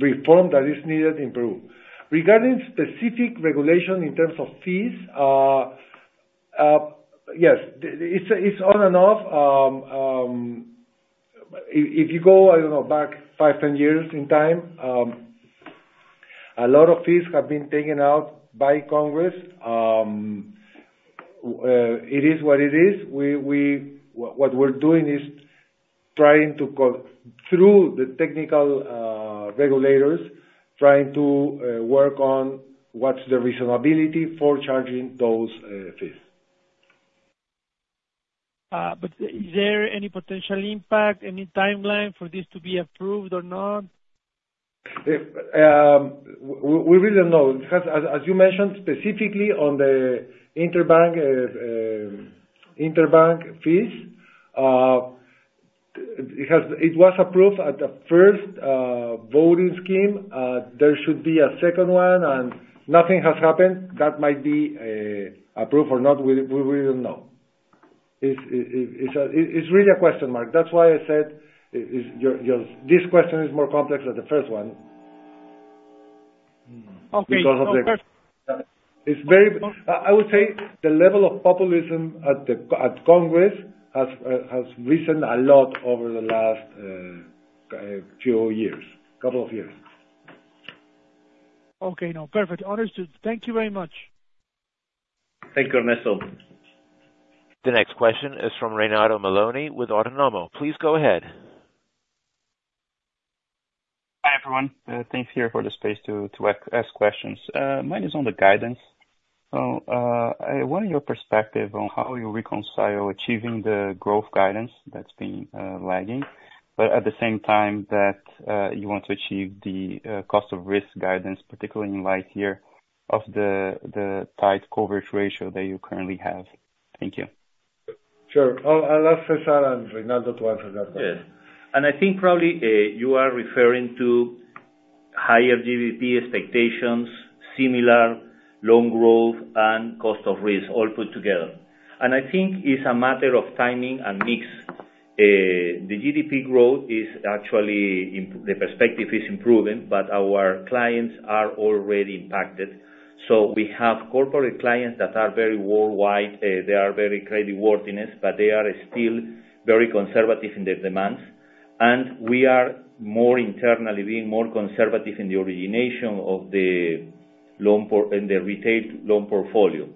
reform that is needed in Peru. Regarding specific regulation in terms of fees, yes, it's on and off. If you go, I don't know, back 5-10 years in time, a lot of fees have been taken out by Congress. It is what it is. What we're doing is trying to go through the technical regulators, trying to work on what's the reasonability for charging those fees. Is there any potential impact, any timeline for this to be approved or not? If we really don't know, because as you mentioned, specifically on the interbank fees, it was approved at the first voting scheme. There should be a second one, and nothing has happened. That might be approved or not, we really don't know. It's really a question mark. That's why I said, this question is more complex than the first one. Okay. Because of the- Of course. It's very- Uh. I would say the level of populism at Congress has has risen a lot over the last few years, couple of years. Okay, now. Perfect, understood. Thank you very much. Thank you, Ernesto. The next question is from Renato Meloni with Autonomous Research. Please go ahead. Hi, everyone. Thanks for the space to ask questions. Mine is on the guidance. So, what are your perspective on how you reconcile achieving the growth guidance that's been lagging, but at the same time, you want to achieve the cost of risk guidance, particularly in light of the tight coverage ratio that you currently have? Thank you. Sure. I'll ask César and Renato to answer that question. Yes. And I think probably, you are referring to higher GDP expectations, similar loan growth and cost of risk all put together. And I think it's a matter of timing and mix. The GDP growth is actually the perspective is improving, but our clients are already impacted. So we have corporate clients that are very worldwide, they are very creditworthiness, but they are still very conservative in their demands, and we are more internally being more conservative in the origination of the loan in the retail loan portfolio.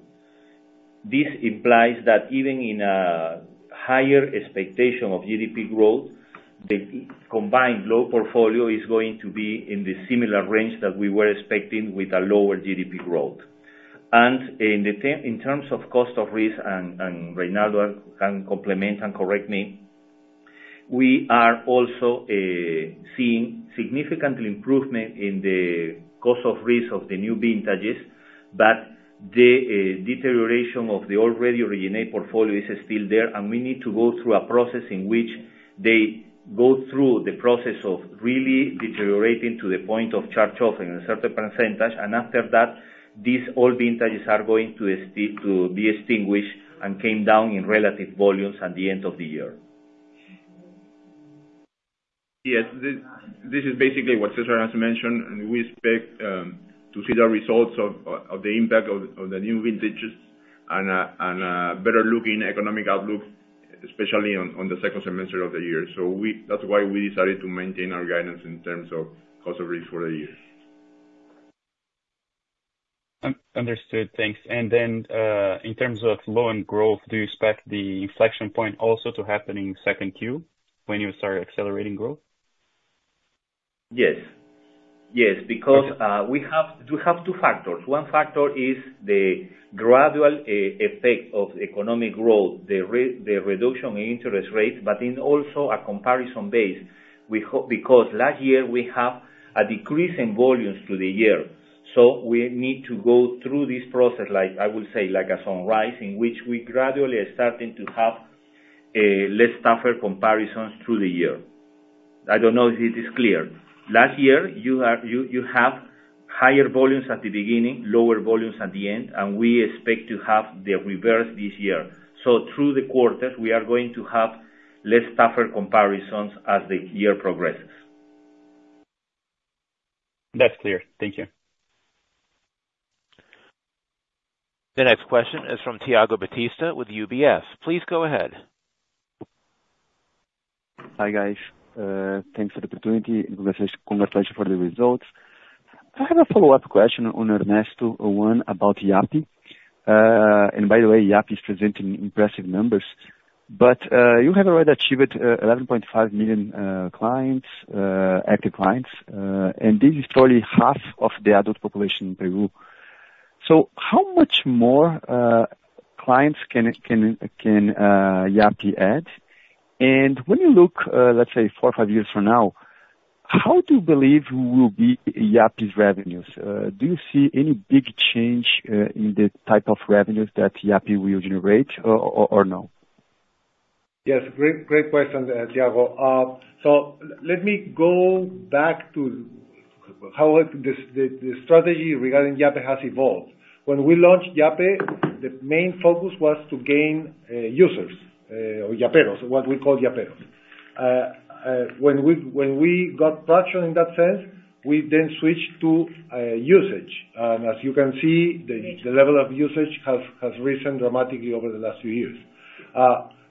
This implies that even in a higher expectation of GDP growth, the combined loan portfolio is going to be in the similar range that we were expecting with a lower GDP growth. In terms of cost of risk, Renato can complement and correct me, we are also seeing significant improvement in the cost of risk of the new vintages, but the deterioration of the already originated portfolio is still there, and we need to go through a process in which they go through the process of really deteriorating to the point of charge-off in a certain percentage, and after that, these old vintages are going to be extinguished and come down in relative volumes at the end of the year. Yes, this is basically what César has mentioned, and we expect to see the results of the impact of the new vintages and a better-looking economic outlook, especially on the second semester of the year. So that's why we decided to maintain our guidance in terms of cost of risk for the year. Understood. Thanks. And then, in terms of loan growth, do you expect the inflection point also to happen in 2Q, when you start accelerating growth? Yes. Yes, because we have, we have two factors. One factor is the gradual effect of economic growth, the reduction in interest rates, but in also a comparison base. We because last year we have a decrease in volumes through the year, so we need to go through this process like, I would say, like a sunrise, in which we gradually are starting to have less tougher comparisons through the year. I don't know if it is clear. Last year, you have higher volumes at the beginning, lower volumes at the end, and we expect to have the reverse this year. So through the quarters, we are going to have less tougher comparisons as the year progresses. That's clear. Thank you. The next question is from Thiago Batista with UBS. Please go ahead. Hi, guys. Thanks for the opportunity, and congratulations for the results. I have a follow-up question on Ernesto, one about Yape. And by the way, Yape is presenting impressive numbers, but you have already achieved 11.5 million active clients, and this is probably half of the adult population in Peru. So how much more clients can Yape add? And when you look, let's say, four or five years from now, how do you believe will be Yape's revenues? Do you see any big change in the type of revenues that Yape will generate, or no? Yes, great, great question, Thiago. So let me go back to how the strategy regarding Yape has evolved. When we launched Yape, the main focus was to gain users or Yaperos, what we call Yaperos. When we got traction in that sense, we then switched to usage. And as you can see, the level of usage has risen dramatically over the last few years.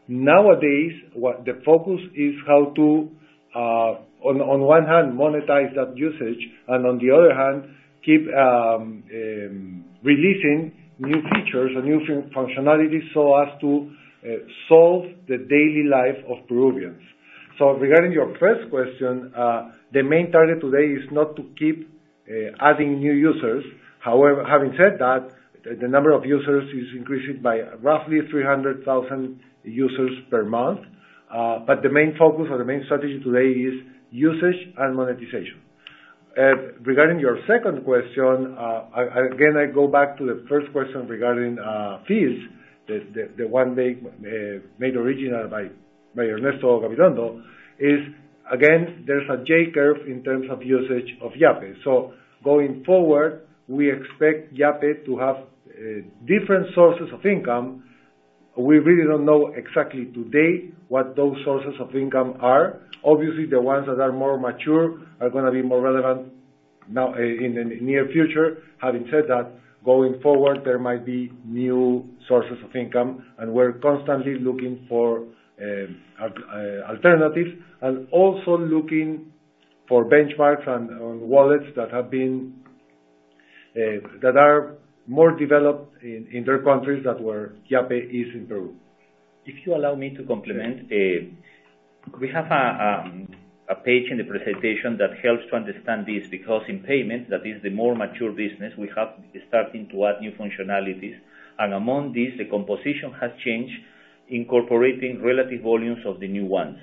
Nowadays, the focus is how to, on one hand, monetize that usage, and on the other hand, keep releasing new features and new functionality, so as to solve the daily life of Peruvians. So regarding your first question, the main target today is not to keep adding new users. However, having said that, the number of users is increasing by roughly 300,000 users per month. But the main focus or the main strategy today is usage and monetization. Regarding your second question, I again go back to the first question regarding fees. The one made original by Ernesto Gabilondo is again, there's a J-curve in terms of usage of Yape. So going forward, we expect Yape to have different sources of income. We really don't know exactly today what those sources of income are. Obviously, the ones that are more mature are gonna be more relevant now in the near future. Having said that, going forward, there might be new sources of income, and we're constantly looking for alternatives, and also looking for benchmarks and, on wallets that have been, that are more developed in, in their countries than where Yape is in Peru. If you allow me to complement, we have a page in the presentation that helps to understand this, because in payment, that is the more mature business, we have starting to add new functionalities, and among these, the composition has changed, incorporating relative volumes of the new ones.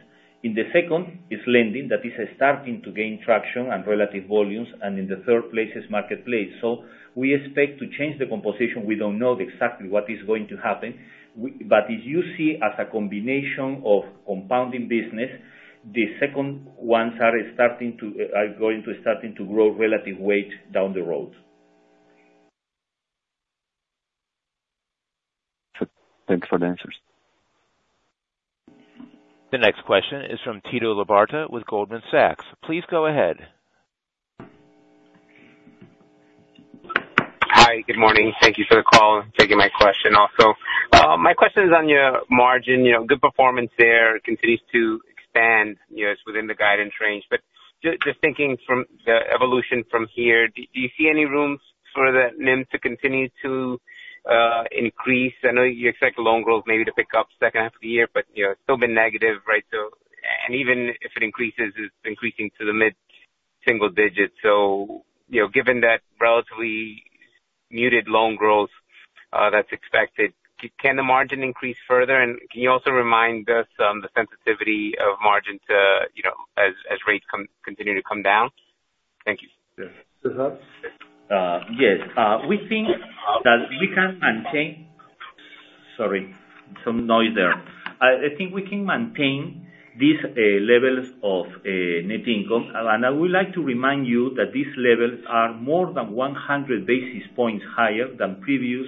In the second, is lending, that is starting to gain traction and relative volumes, and in the third place is marketplace. So we expect to change the composition. We don't know exactly what is going to happen, but if you see as a combination of compounding business, the second ones are going to start to grow relative weight down the road. Sure. Thanks for the answers. The next question is from Tito Labarta with Goldman Sachs. Please go ahead. Hi, good morning. Thank you for the call. Thank you for my question also. My question is on your margin. You know, good performance there, continues to expand, you know, it's within the guidance range. But just thinking from the evolution from here, do you see any rooms for the NIM to continue to increase? I know you expect loan growth maybe to pick up second half of the year, but, you know, it's still been negative, right? And even if it increases, it's increasing to the mid-single digits. So, you know, given that relatively muted loan growth, uh, that's expected, can the margin increase further? And can you also remind us on the sensitivity of margin to, you know, as rates continue to come down? Thank you. Yes. Yes, we think that we can maintain—Sorry, some noise there. I think we can maintain these levels of net income. And I would like to remind you that these levels are more than 100 basis points higher than previous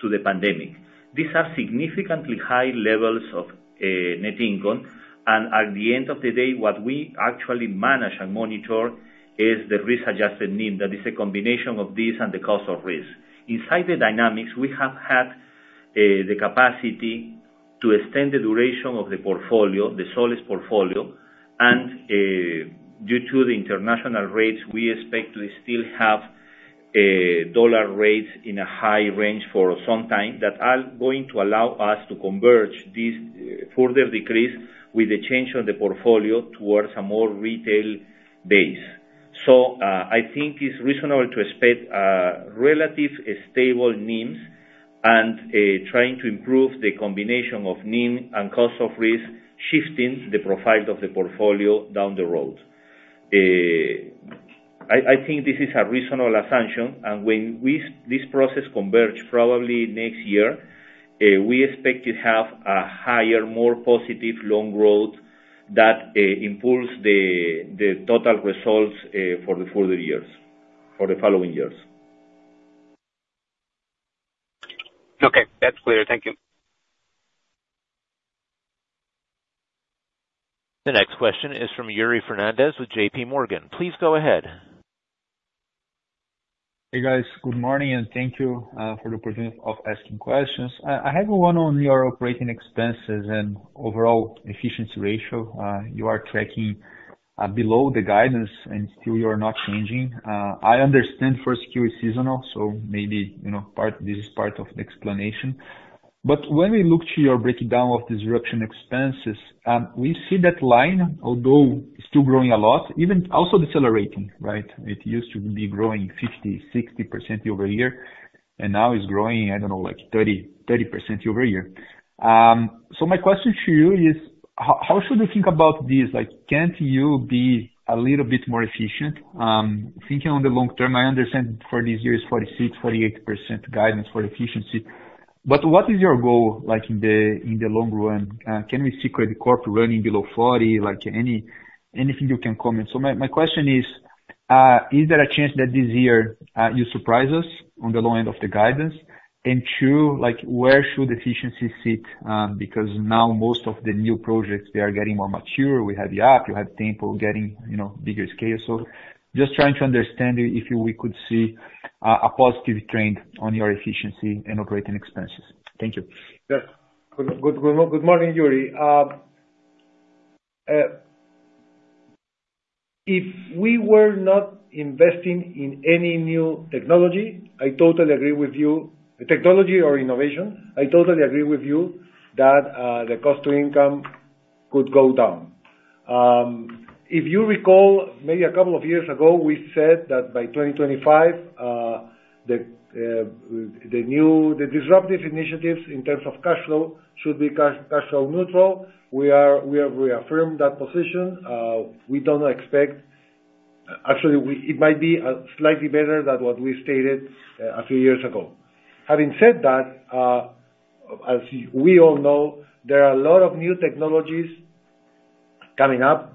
to the pandemic. These are significantly high levels of net income. And at the end of the day, what we actually manage and monitor is the risk-adjusted NIM. That is a combination of this and the cost of risk. Inside the dynamics, we have had the capacity to extend the duration of the portfolio, the soles portfolio, and due to the international rates, we expect to still have dollar rates in a high range for some time, that are going to allow us to converge this further decrease with the change on the portfolio towards a more retail base. I think it's reasonable to expect relatively stable NIMs and trying to improve the combination of NIM and cost of risk, shifting the profile of the portfolio down the road. I think this is a reasonable assumption, and when this process converge, probably next year, we expect to have a higher, more positive loan growth that improves the total results for the further years, for the following years. Okay, that's clear. Thank you. The next question is from Yuri Fernandes with JPMorgan. Please go ahead. Hey, guys. Good morning, and thank you for the opportunity of asking questions. I have one on your operating expenses and overall efficiency ratio. You are tracking below the guidance, and still you are not changing. I understand 1Q is seasonal, so maybe, you know, part, this is part of the explanation. But when we look to your breakdown of disruption expenses, we see that line, although still growing a lot, even also decelerating, right? It used to be growing 50%, 60% year-over-year, and now it's growing, I don't know, like 30% year-over-year. So my question to you is: how should we think about this? Like, can't you be a little bit more efficient, thinking on the long term? I understand for these years, 46%-48% guidance for efficiency, but what is your goal like in the, in the long run? Can we see Credicorp running below 40, like anything you can comment? So my question is, is there a chance that this year, you surprise us on the low end of the guidance? And two, like, where should efficiency sit, because now most of the new projects, they are getting more mature. We have the app, you have Tenpo getting, you know, bigger scale. So just trying to understand if we could see, a positive trend on your efficiency and operating expenses. Thank you. Yes. Good morning, Yuri. If we were not investing in any new technology, I totally agree with you. Technology or innovation, I totally agree with you that the cost to income could go down. If you recall, maybe a couple of years ago, we said that by 2025, the new disruptive initiatives in terms of cash flow should be cash flow neutral. We have reaffirmed that position. We don't expect. Actually, it might be slightly better than what we stated a few years ago. Having said that, as we all know, there are a lot of new technologies coming up.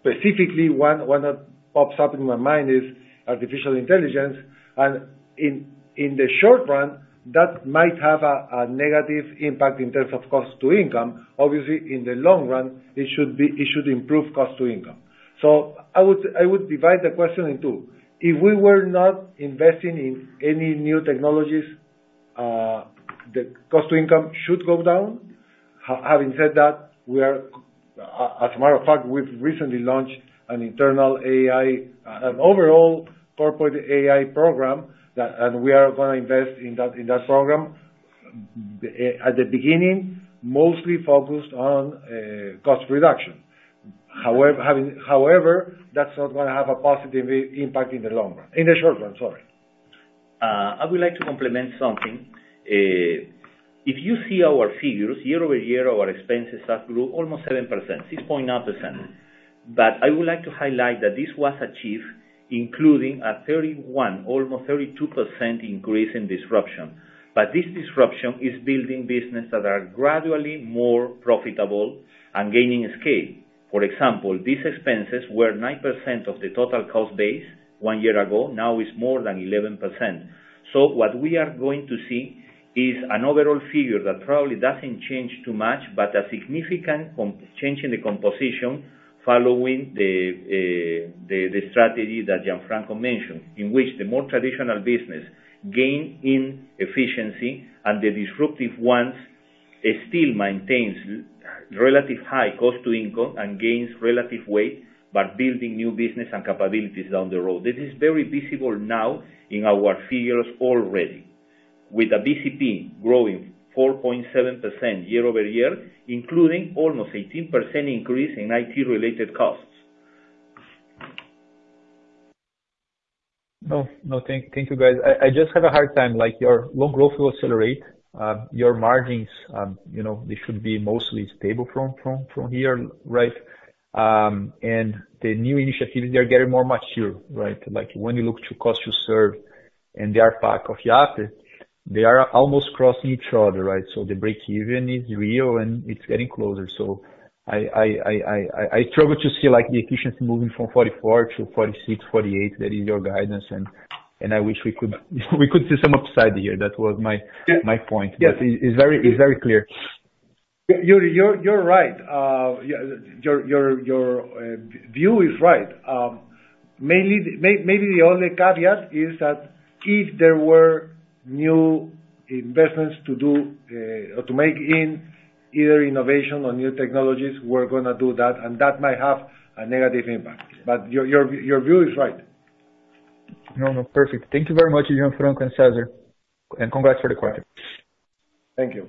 Specifically, one that pops up in my mind is artificial intelligence. And in the short run, that might have a negative impact in terms of cost to income. Obviously, in the long run, it should improve cost to income. So I would divide the question in two: If we were not investing in any new technologies, the cost to income should go down. Having said that, we are, as a matter of fact, we've recently launched an internal AI, an overall corporate AI program, and we are gonna invest in that program. At the beginning, mostly focused on cost reduction. However, that's not gonna have a positive impact in the long run, in the short run, sorry. I would like to comment on something. If you see our figures, year-over-year, our expenses have grew almost 7%, 6.9%. But I would like to highlight that this was achieved including a 31%, almost 32% increase in disruption. But this disruption is building business that are gradually more profitable and gaining scale. For example, these expenses were 9% of the total cost base one year ago, now it's more than 11%. So what we are going to see is an overall figure that probably doesn't change too much, but a significant change in the composition following the strategy that Gianfranco mentioned, in which the more traditional business gain in efficiency and the disruptive ones, it still maintains relative high cost to income and gains relative weight, but building new business and capabilities down the road. This is very visible now in our figures already, with the BCP growing 4.7% year-over-year, including almost 18% increase in IT-related costs. No, thank you, guys. I just have a hard time, like, your loan growth will accelerate, your margins, you know, they should be mostly stable from here, right? And the new initiatives, they are getting more mature, right? Like, when you look to cost to serve, and they are part of the app, they are almost crossing each other, right? So the break even is real, and it's getting closer. So I struggle to see, like, the efficiency moving from 44-46, 48. That is your guidance, and I wish we could see some upside here. That was my- Yes. My point. Yes. But it's very, it's very clear. Yuri, you're right. Yeah, your view is right. Mainly, maybe the only caveat is that if there were new investments to do, or to make in either innovation or new technologies, we're gonna do that, and that might have a negative impact. But your view is right. No, no, perfect. Thank you very much, Gianfranco and César, and congrats for the quarter. Thank you.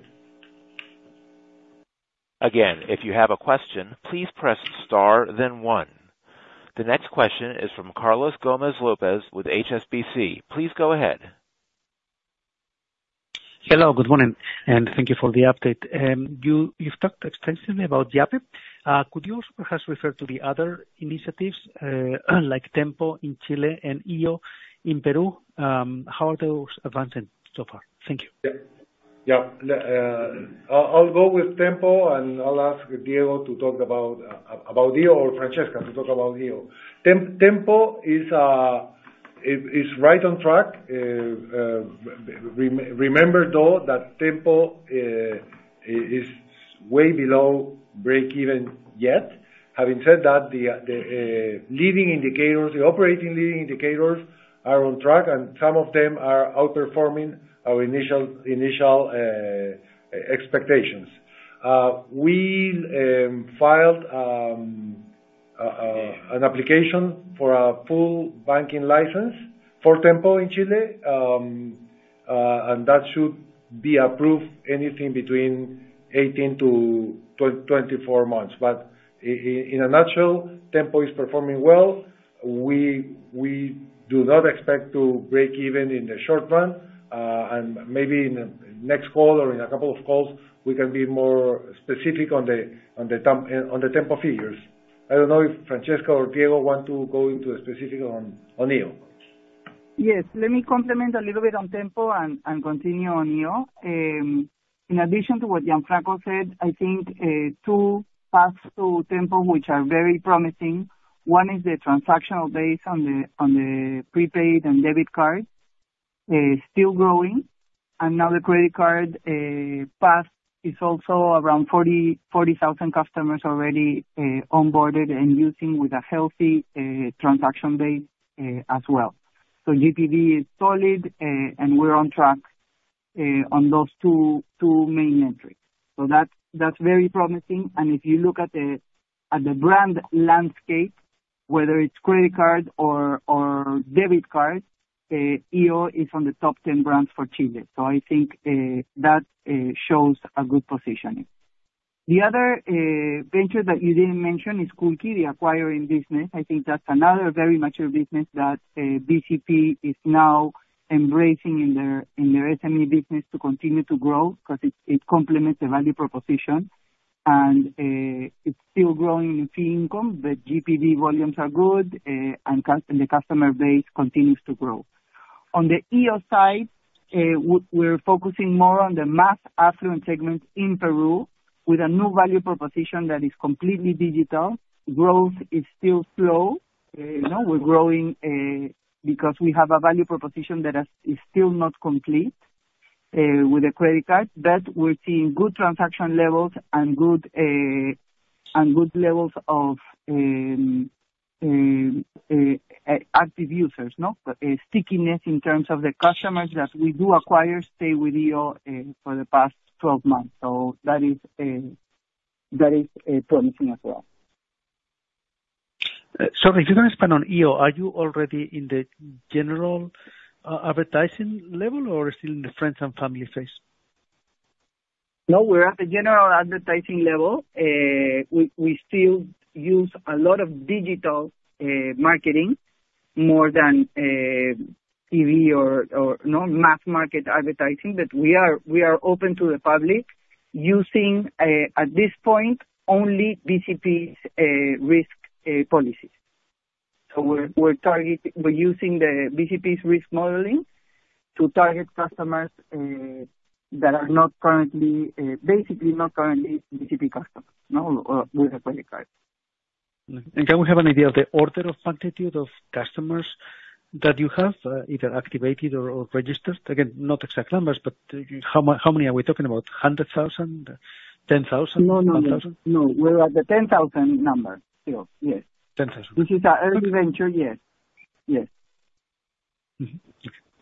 Again, if you have a question, please press star then one. The next question is from Carlos Gomez-López with HSBC. Please go ahead. Hello, good morning, and thank you for the update. You've talked extensively aboutYape. Could you perhaps refer to the other initiatives, like Tenpo in Chile and iO in Peru? How are those advancing so far? Thank you. Yeah. Yeah. I'll, I'll go with Tenpo, and I'll ask Diego to talk about about iO, or Francesca to talk about iO. Tenpo is right on track. Remember, though, that Tenpo is way below breakeven yet. Having said that, the leading indicators, the operating leading indicators are on track, and some of them are outperforming our initial expectations. We filed an application for a full banking license for Tenpo in Chile. And that should be approved anything between 18-24 months. But in a nutshell, Tenpo is performing well. We do not expect to break even in the short run, and maybe in the next call or in a couple of calls, we can be more specific on the Tenpo figures. I don't know if Francesca or Diego want to go into the specific on iO. Yes, let me comment a little bit on Tenpo and continue on iO. In addition to what Gianfranco said, I think two parts to Tenpo which are very promising, one is the transactional base on the prepaid and debit card is still growing. And now the credit card part is also around 40,000 customers already onboarded and using with a healthy transaction base as well. So GPV is solid and we're on track on those two main metrics. So that's very promising. And if you look at the brand landscape, whether it's credit card or debit card, iO is on the top 10 brands for Chile. So I think that shows a good positioning. The other venture that you didn't mention is the acquiring business. I think that's another very mature business that, BCP is now embracing in their, in their SME business to continue to grow, 'cause it, it complements the value proposition. And, it's still growing in fee income, but GPV volumes are good, and cus- and the customer base continues to grow. On the iO side, we're focusing more on the mass affluent segments in Peru with a new value proposition that is completely digital. Growth is still slow. You know, we're growing, because we have a value proposition that has, is still not complete, with the credit card, but we're seeing good transaction levels and good, and good levels of, active users, no? Stickiness in terms of the customers that we do acquire stay with iO for the past 12 months, so that is, that is, promising as well. Sorry, if you can expand on iO, are you already in the general advertising level or still in the friends and family phase? No, we're at the general advertising level. We still use a lot of digital marketing more than TV or no mass market advertising. But we are open to the public using, at this point, only BCP's risk policies. So we're using the BCP's risk modeling to target customers that are not currently basically not currently BCP customers, no, with a credit card. Can we have an idea of the order of magnitude of customers that you have, either activated or registered? Again, not exact numbers, but, how many are we talking about? 100,000? 10,000? No, no, no. 1,000? No, we're at the 10,000 number still. Yes. 10,000. This is our early venture. Yes. Yes. Mm-hmm.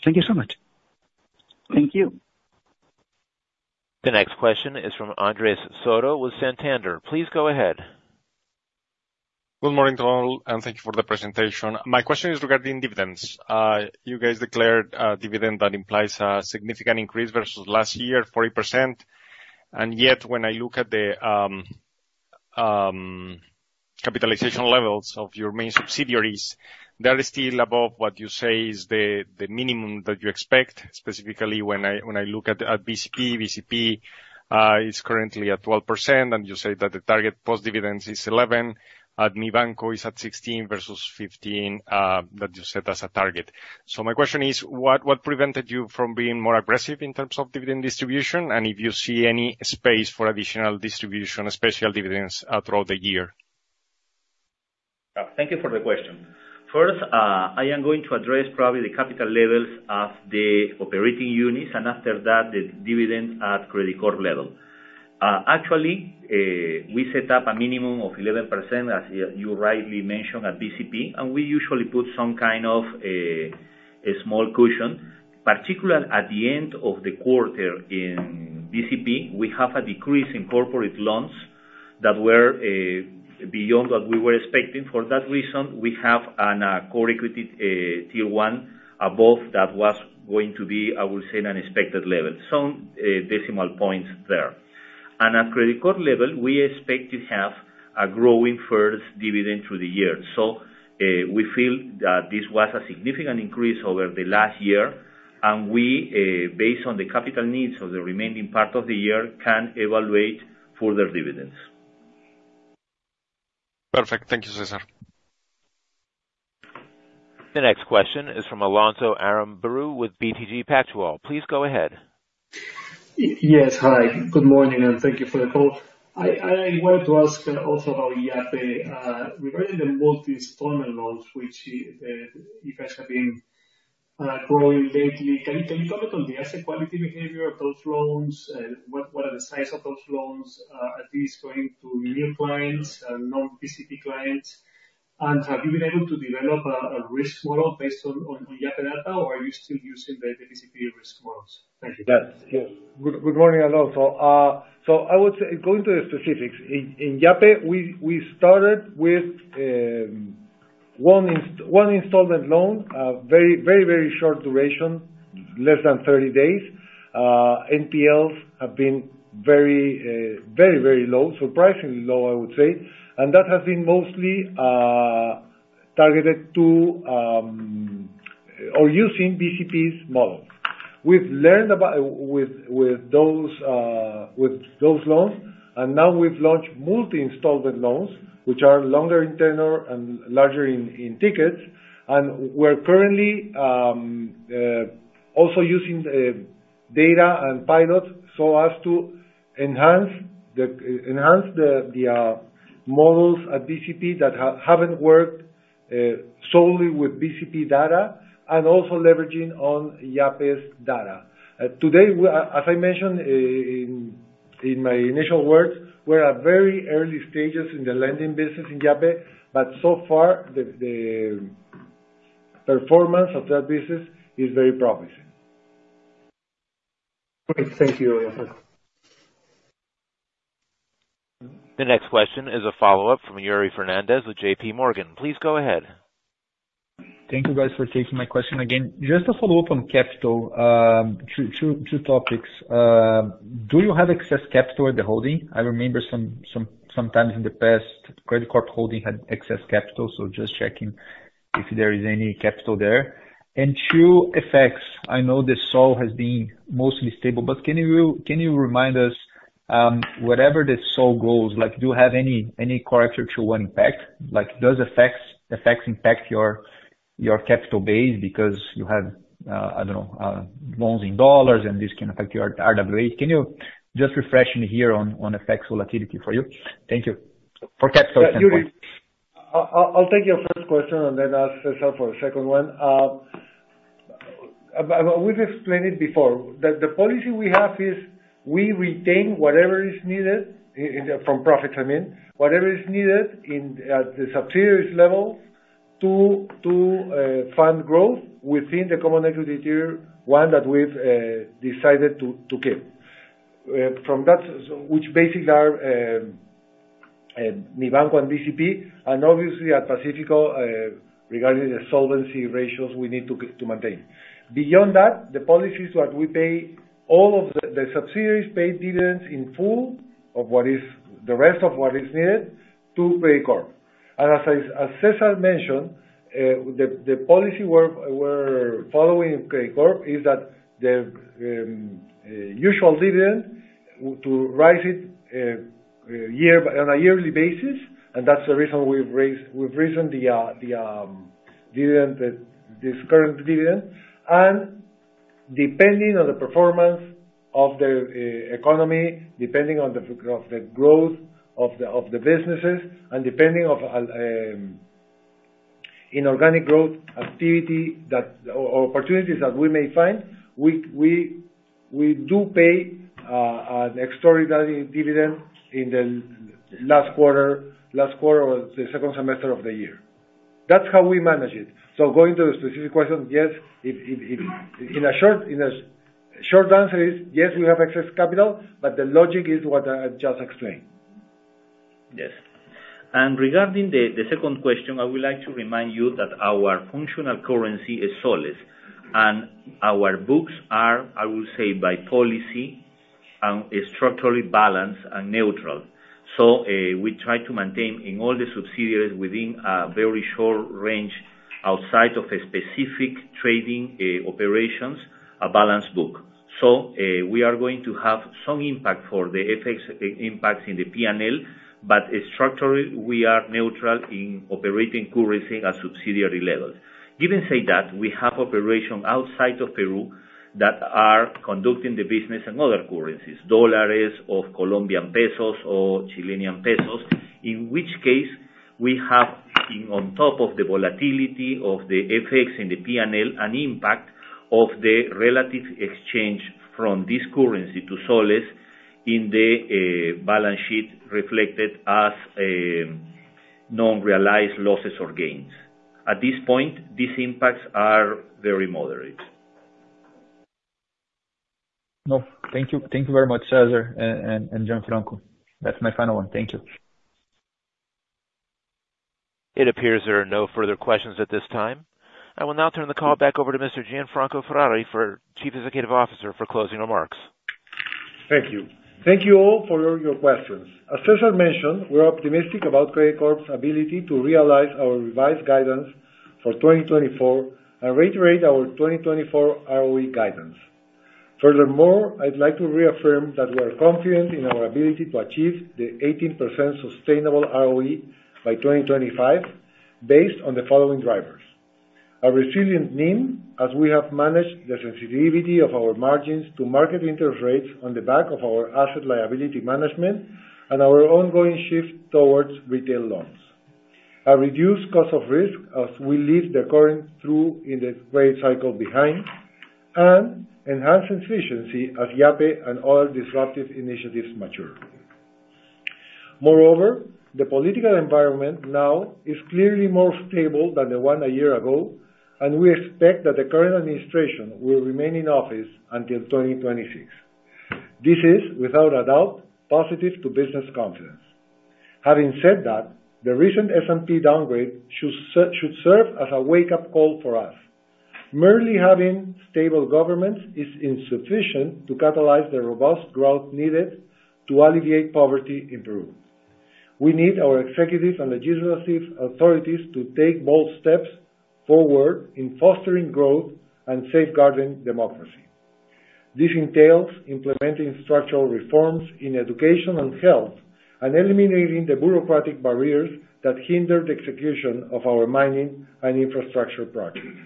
Thank you so much. Thank you. The next question is from Andrés Soto with Santander. Please go ahead. Good morning to all, and thank you for the presentation. My question is regarding dividends. You guys declared a dividend that implies a significant increase versus last year, 40%, and yet when I look at the capitalization levels of your main subsidiaries, they are still above what you say is the minimum that you expect. Specifically, when I look at BCP, it is currently at 12%, and you say that the target post-dividends is 11%. At Mibanco, it is at 16% versus 15% that you set as a target. So my question is, what prevented you from being more aggressive in terms of dividend distribution, and if you see any space for additional distribution, especially dividends, throughout the year? Thank you for the question. First, I am going to address probably the capital levels of the operating units, and after that, the dividend at Credicorp level. Actually, we set up a minimum of 11%, as you rightly mentioned, at BCP, and we usually put some kind of a small cushion. Particularly at the end of the quarter in BCP, we have a decrease in corporate loans that were beyond what we were expecting. For that reason, we have a Core Equity Tier 1 above that was going to be, I would say, an unexpected level, some decimal points there. At Credicorp level, we expect to have a growing first dividend through the year. So, we feel that this was a significant increase over the last year, and we, based on the capital needs of the remaining part of the year, can evaluate further dividends. Perfect. Thank you, César. The next question is from Alonso Aramburú with BTG Pactual. Please go ahead. Yes, hi. Good morning, and thank you for the call. I wanted to ask also about Yape. Regarding the multi-installment loans, which you guys have been growing lately, can you comment on the asset quality behavior of those loans? What are the size of those loans? Are these going to new clients and non-BCP clients? And have you been able to develop a risk model based on Yape data, or are you still using the BCP risk models? Thank you. Yes. Good morning, Alonso. So I would say, going to the specifics, in Yape, we started with one installment loan, very, very, very short duration, less than 30 days. NPLs have been very, very, very low, surprisingly low, I would say. And that has been mostly targeted to, or using BCP's model. We've learned about with those loans, and now we've launched multi-installment loans, which are longer in tenure and larger in tickets. And we're currently also using the data and pilot so as to enhance the models at BCP that haven't worked solely with BCP data, and also leveraging on Yape's data. Today, as I mentioned in my initial words, we're at very early stages in the lending business in Yape, but so far the performance of that business is very promising. Okay. Thank you, Alonso. The next question is a follow-up from Yuri Fernandes with JPMorgan. Please go ahead. Thank you, guys, for taking my question again. Just a follow-up on capital, two topics. Do you have excess capital at the holding? I remember sometimes in the past, Credicorp Holding had excess capital, so just checking if there is any capital there. And two, FX. I know the sol has been mostly stable, but can you remind us, whatever the sol goes, like, do you have any Capital Tier 1 impact? Like, does FX impact your capital base because you have, I don't know, loans in dollars, and this can affect your RWA. Can you just refresh me here on FX volatility for you? Thank you. For capital standpoint. Yeah, Yuri, I'll take your first question and then ask César for the second one. We've explained it before, that the policy we have is, we retain whatever is needed in from profits, I mean, whatever is needed at the subsidiaries level, to fund growth within the Common Equity Tier 1 that we've decided to keep. From that, so which basically are Mibanco and BCP, and obviously at Pacifico, regarding the solvency ratios we need to maintain. Beyond that, the policy is what we pay all of the subsidiaries pay dividends in full of what is the rest of what is needed to Credicorp. As I, as César mentioned, the policy we're following in Credicorp is that the usual dividend to rise it year on a yearly basis, and that's the reason we've raised, we've risen the dividend, this current dividend. Depending on the performance of the economy, depending on the growth of the businesses, and depending of inorganic growth activity that or opportunities that we may find, we do pay an extraordinary dividend in the last quarter or the second semester of the year. That's how we manage it. So going to the specific question, yes, in a short answer is, yes, we have excess capital, but the logic is what I just explained. Yes. And regarding the second question, I would like to remind you that our functional currency is soles, and our books are, I would say, by policy, structurally balanced and neutral. So, we try to maintain in all the subsidiaries within a very short range, outside of a specific trading operations, a balanced book. So, we are going to have some impact for the FX impact in the P&L, but structurally, we are neutral in operating currency at subsidiary level. Given that we have operation outside of Peru that are conducting the business in other currencies, dollars, or Colombian pesos or Chilean pesos, in which case we have, in on top of the volatility of the FX and the P&L, an impact of the relative exchange from this currency to soles in the balance sheet, reflected as non-realized losses or gains. At this point, these impacts are very moderate. No, thank you. Thank you very much, César, and Gianfranco. That's my final one. Thank you. It appears there are no further questions at this time. I will now turn the call back over to Mr. Gianfranco Ferrari, Chief Executive Officer, for closing remarks. Thank you. Thank you all for your questions. As César mentioned, we're optimistic about Credicorp's ability to realize our revised guidance for 2024 and reiterate our 2024 ROE guidance. Furthermore, I'd like to reaffirm that we are confident in our ability to achieve the 18% sustainable ROE by 2025, based on the following drivers: A resilient NIM, as we have managed the sensitivity of our margins to market interest rates on the back of our asset liability management and our ongoing shift towards retail loans. A reduced cost of risk as we leave the current through in the rate cycle behind, and enhanced efficiency as Yape and other disruptive initiatives mature. Moreover, the political environment now is clearly more stable than the one a year ago, and we expect that the current administration will remain in office until 2026. This is, without a doubt, positive to business confidence. Having said that, the recent S&P downgrade should serve as a wake-up call for us. Merely having stable governments is insufficient to catalyze the robust growth needed to alleviate poverty in Peru. We need our executives and legislative authorities to take bold steps forward in fostering growth and safeguarding democracy. This entails implementing structural reforms in education and health, and eliminating the bureaucratic barriers that hinder the execution of our mining and infrastructure projects.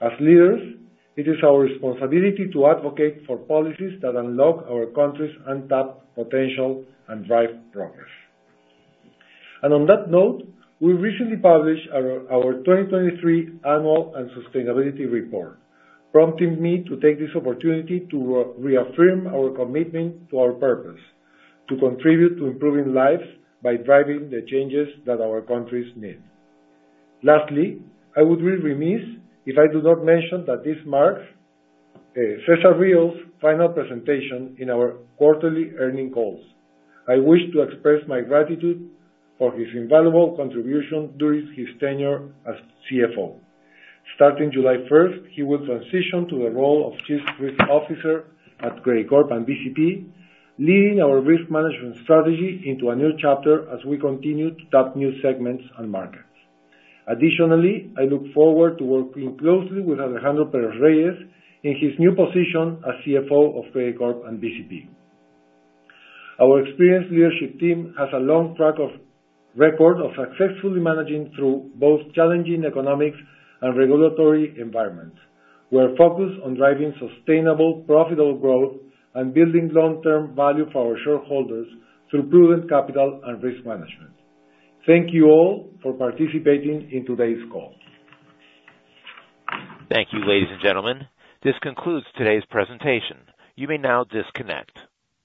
As leaders, it is our responsibility to advocate for policies that unlock our country's untapped potential and drive progress. On that note, we recently published our 2023 Annual and Sustainability Report, prompting me to take this opportunity to reaffirm our commitment to our purpose: to contribute to improving lives by driving the changes that our countries need. Lastly, I would be remiss if I do not mention that this marks César Ríos's final presentation in our quarterly earnings calls. I wish to express my gratitude for his invaluable contribution during his tenure as CFO. Starting July first, he will transition to the role of Chief Risk Officer at Credicorp and BCP, leading our risk management strategy into a new chapter as we continue to tap new segments and markets. Additionally, I look forward to working closely with Alejandro Pérez-Reyes in his new position as CFO of Credicorp and BCP. Our experienced leadership team has a long track record of successfully managing through both challenging economic and regulatory environments. We are focused on driving sustainable, profitable growth and building long-term value for our shareholders through prudent capital and risk management. Thank you all for participating in today's call. Thank you, ladies and gentlemen. This concludes today's presentation. You may now disconnect.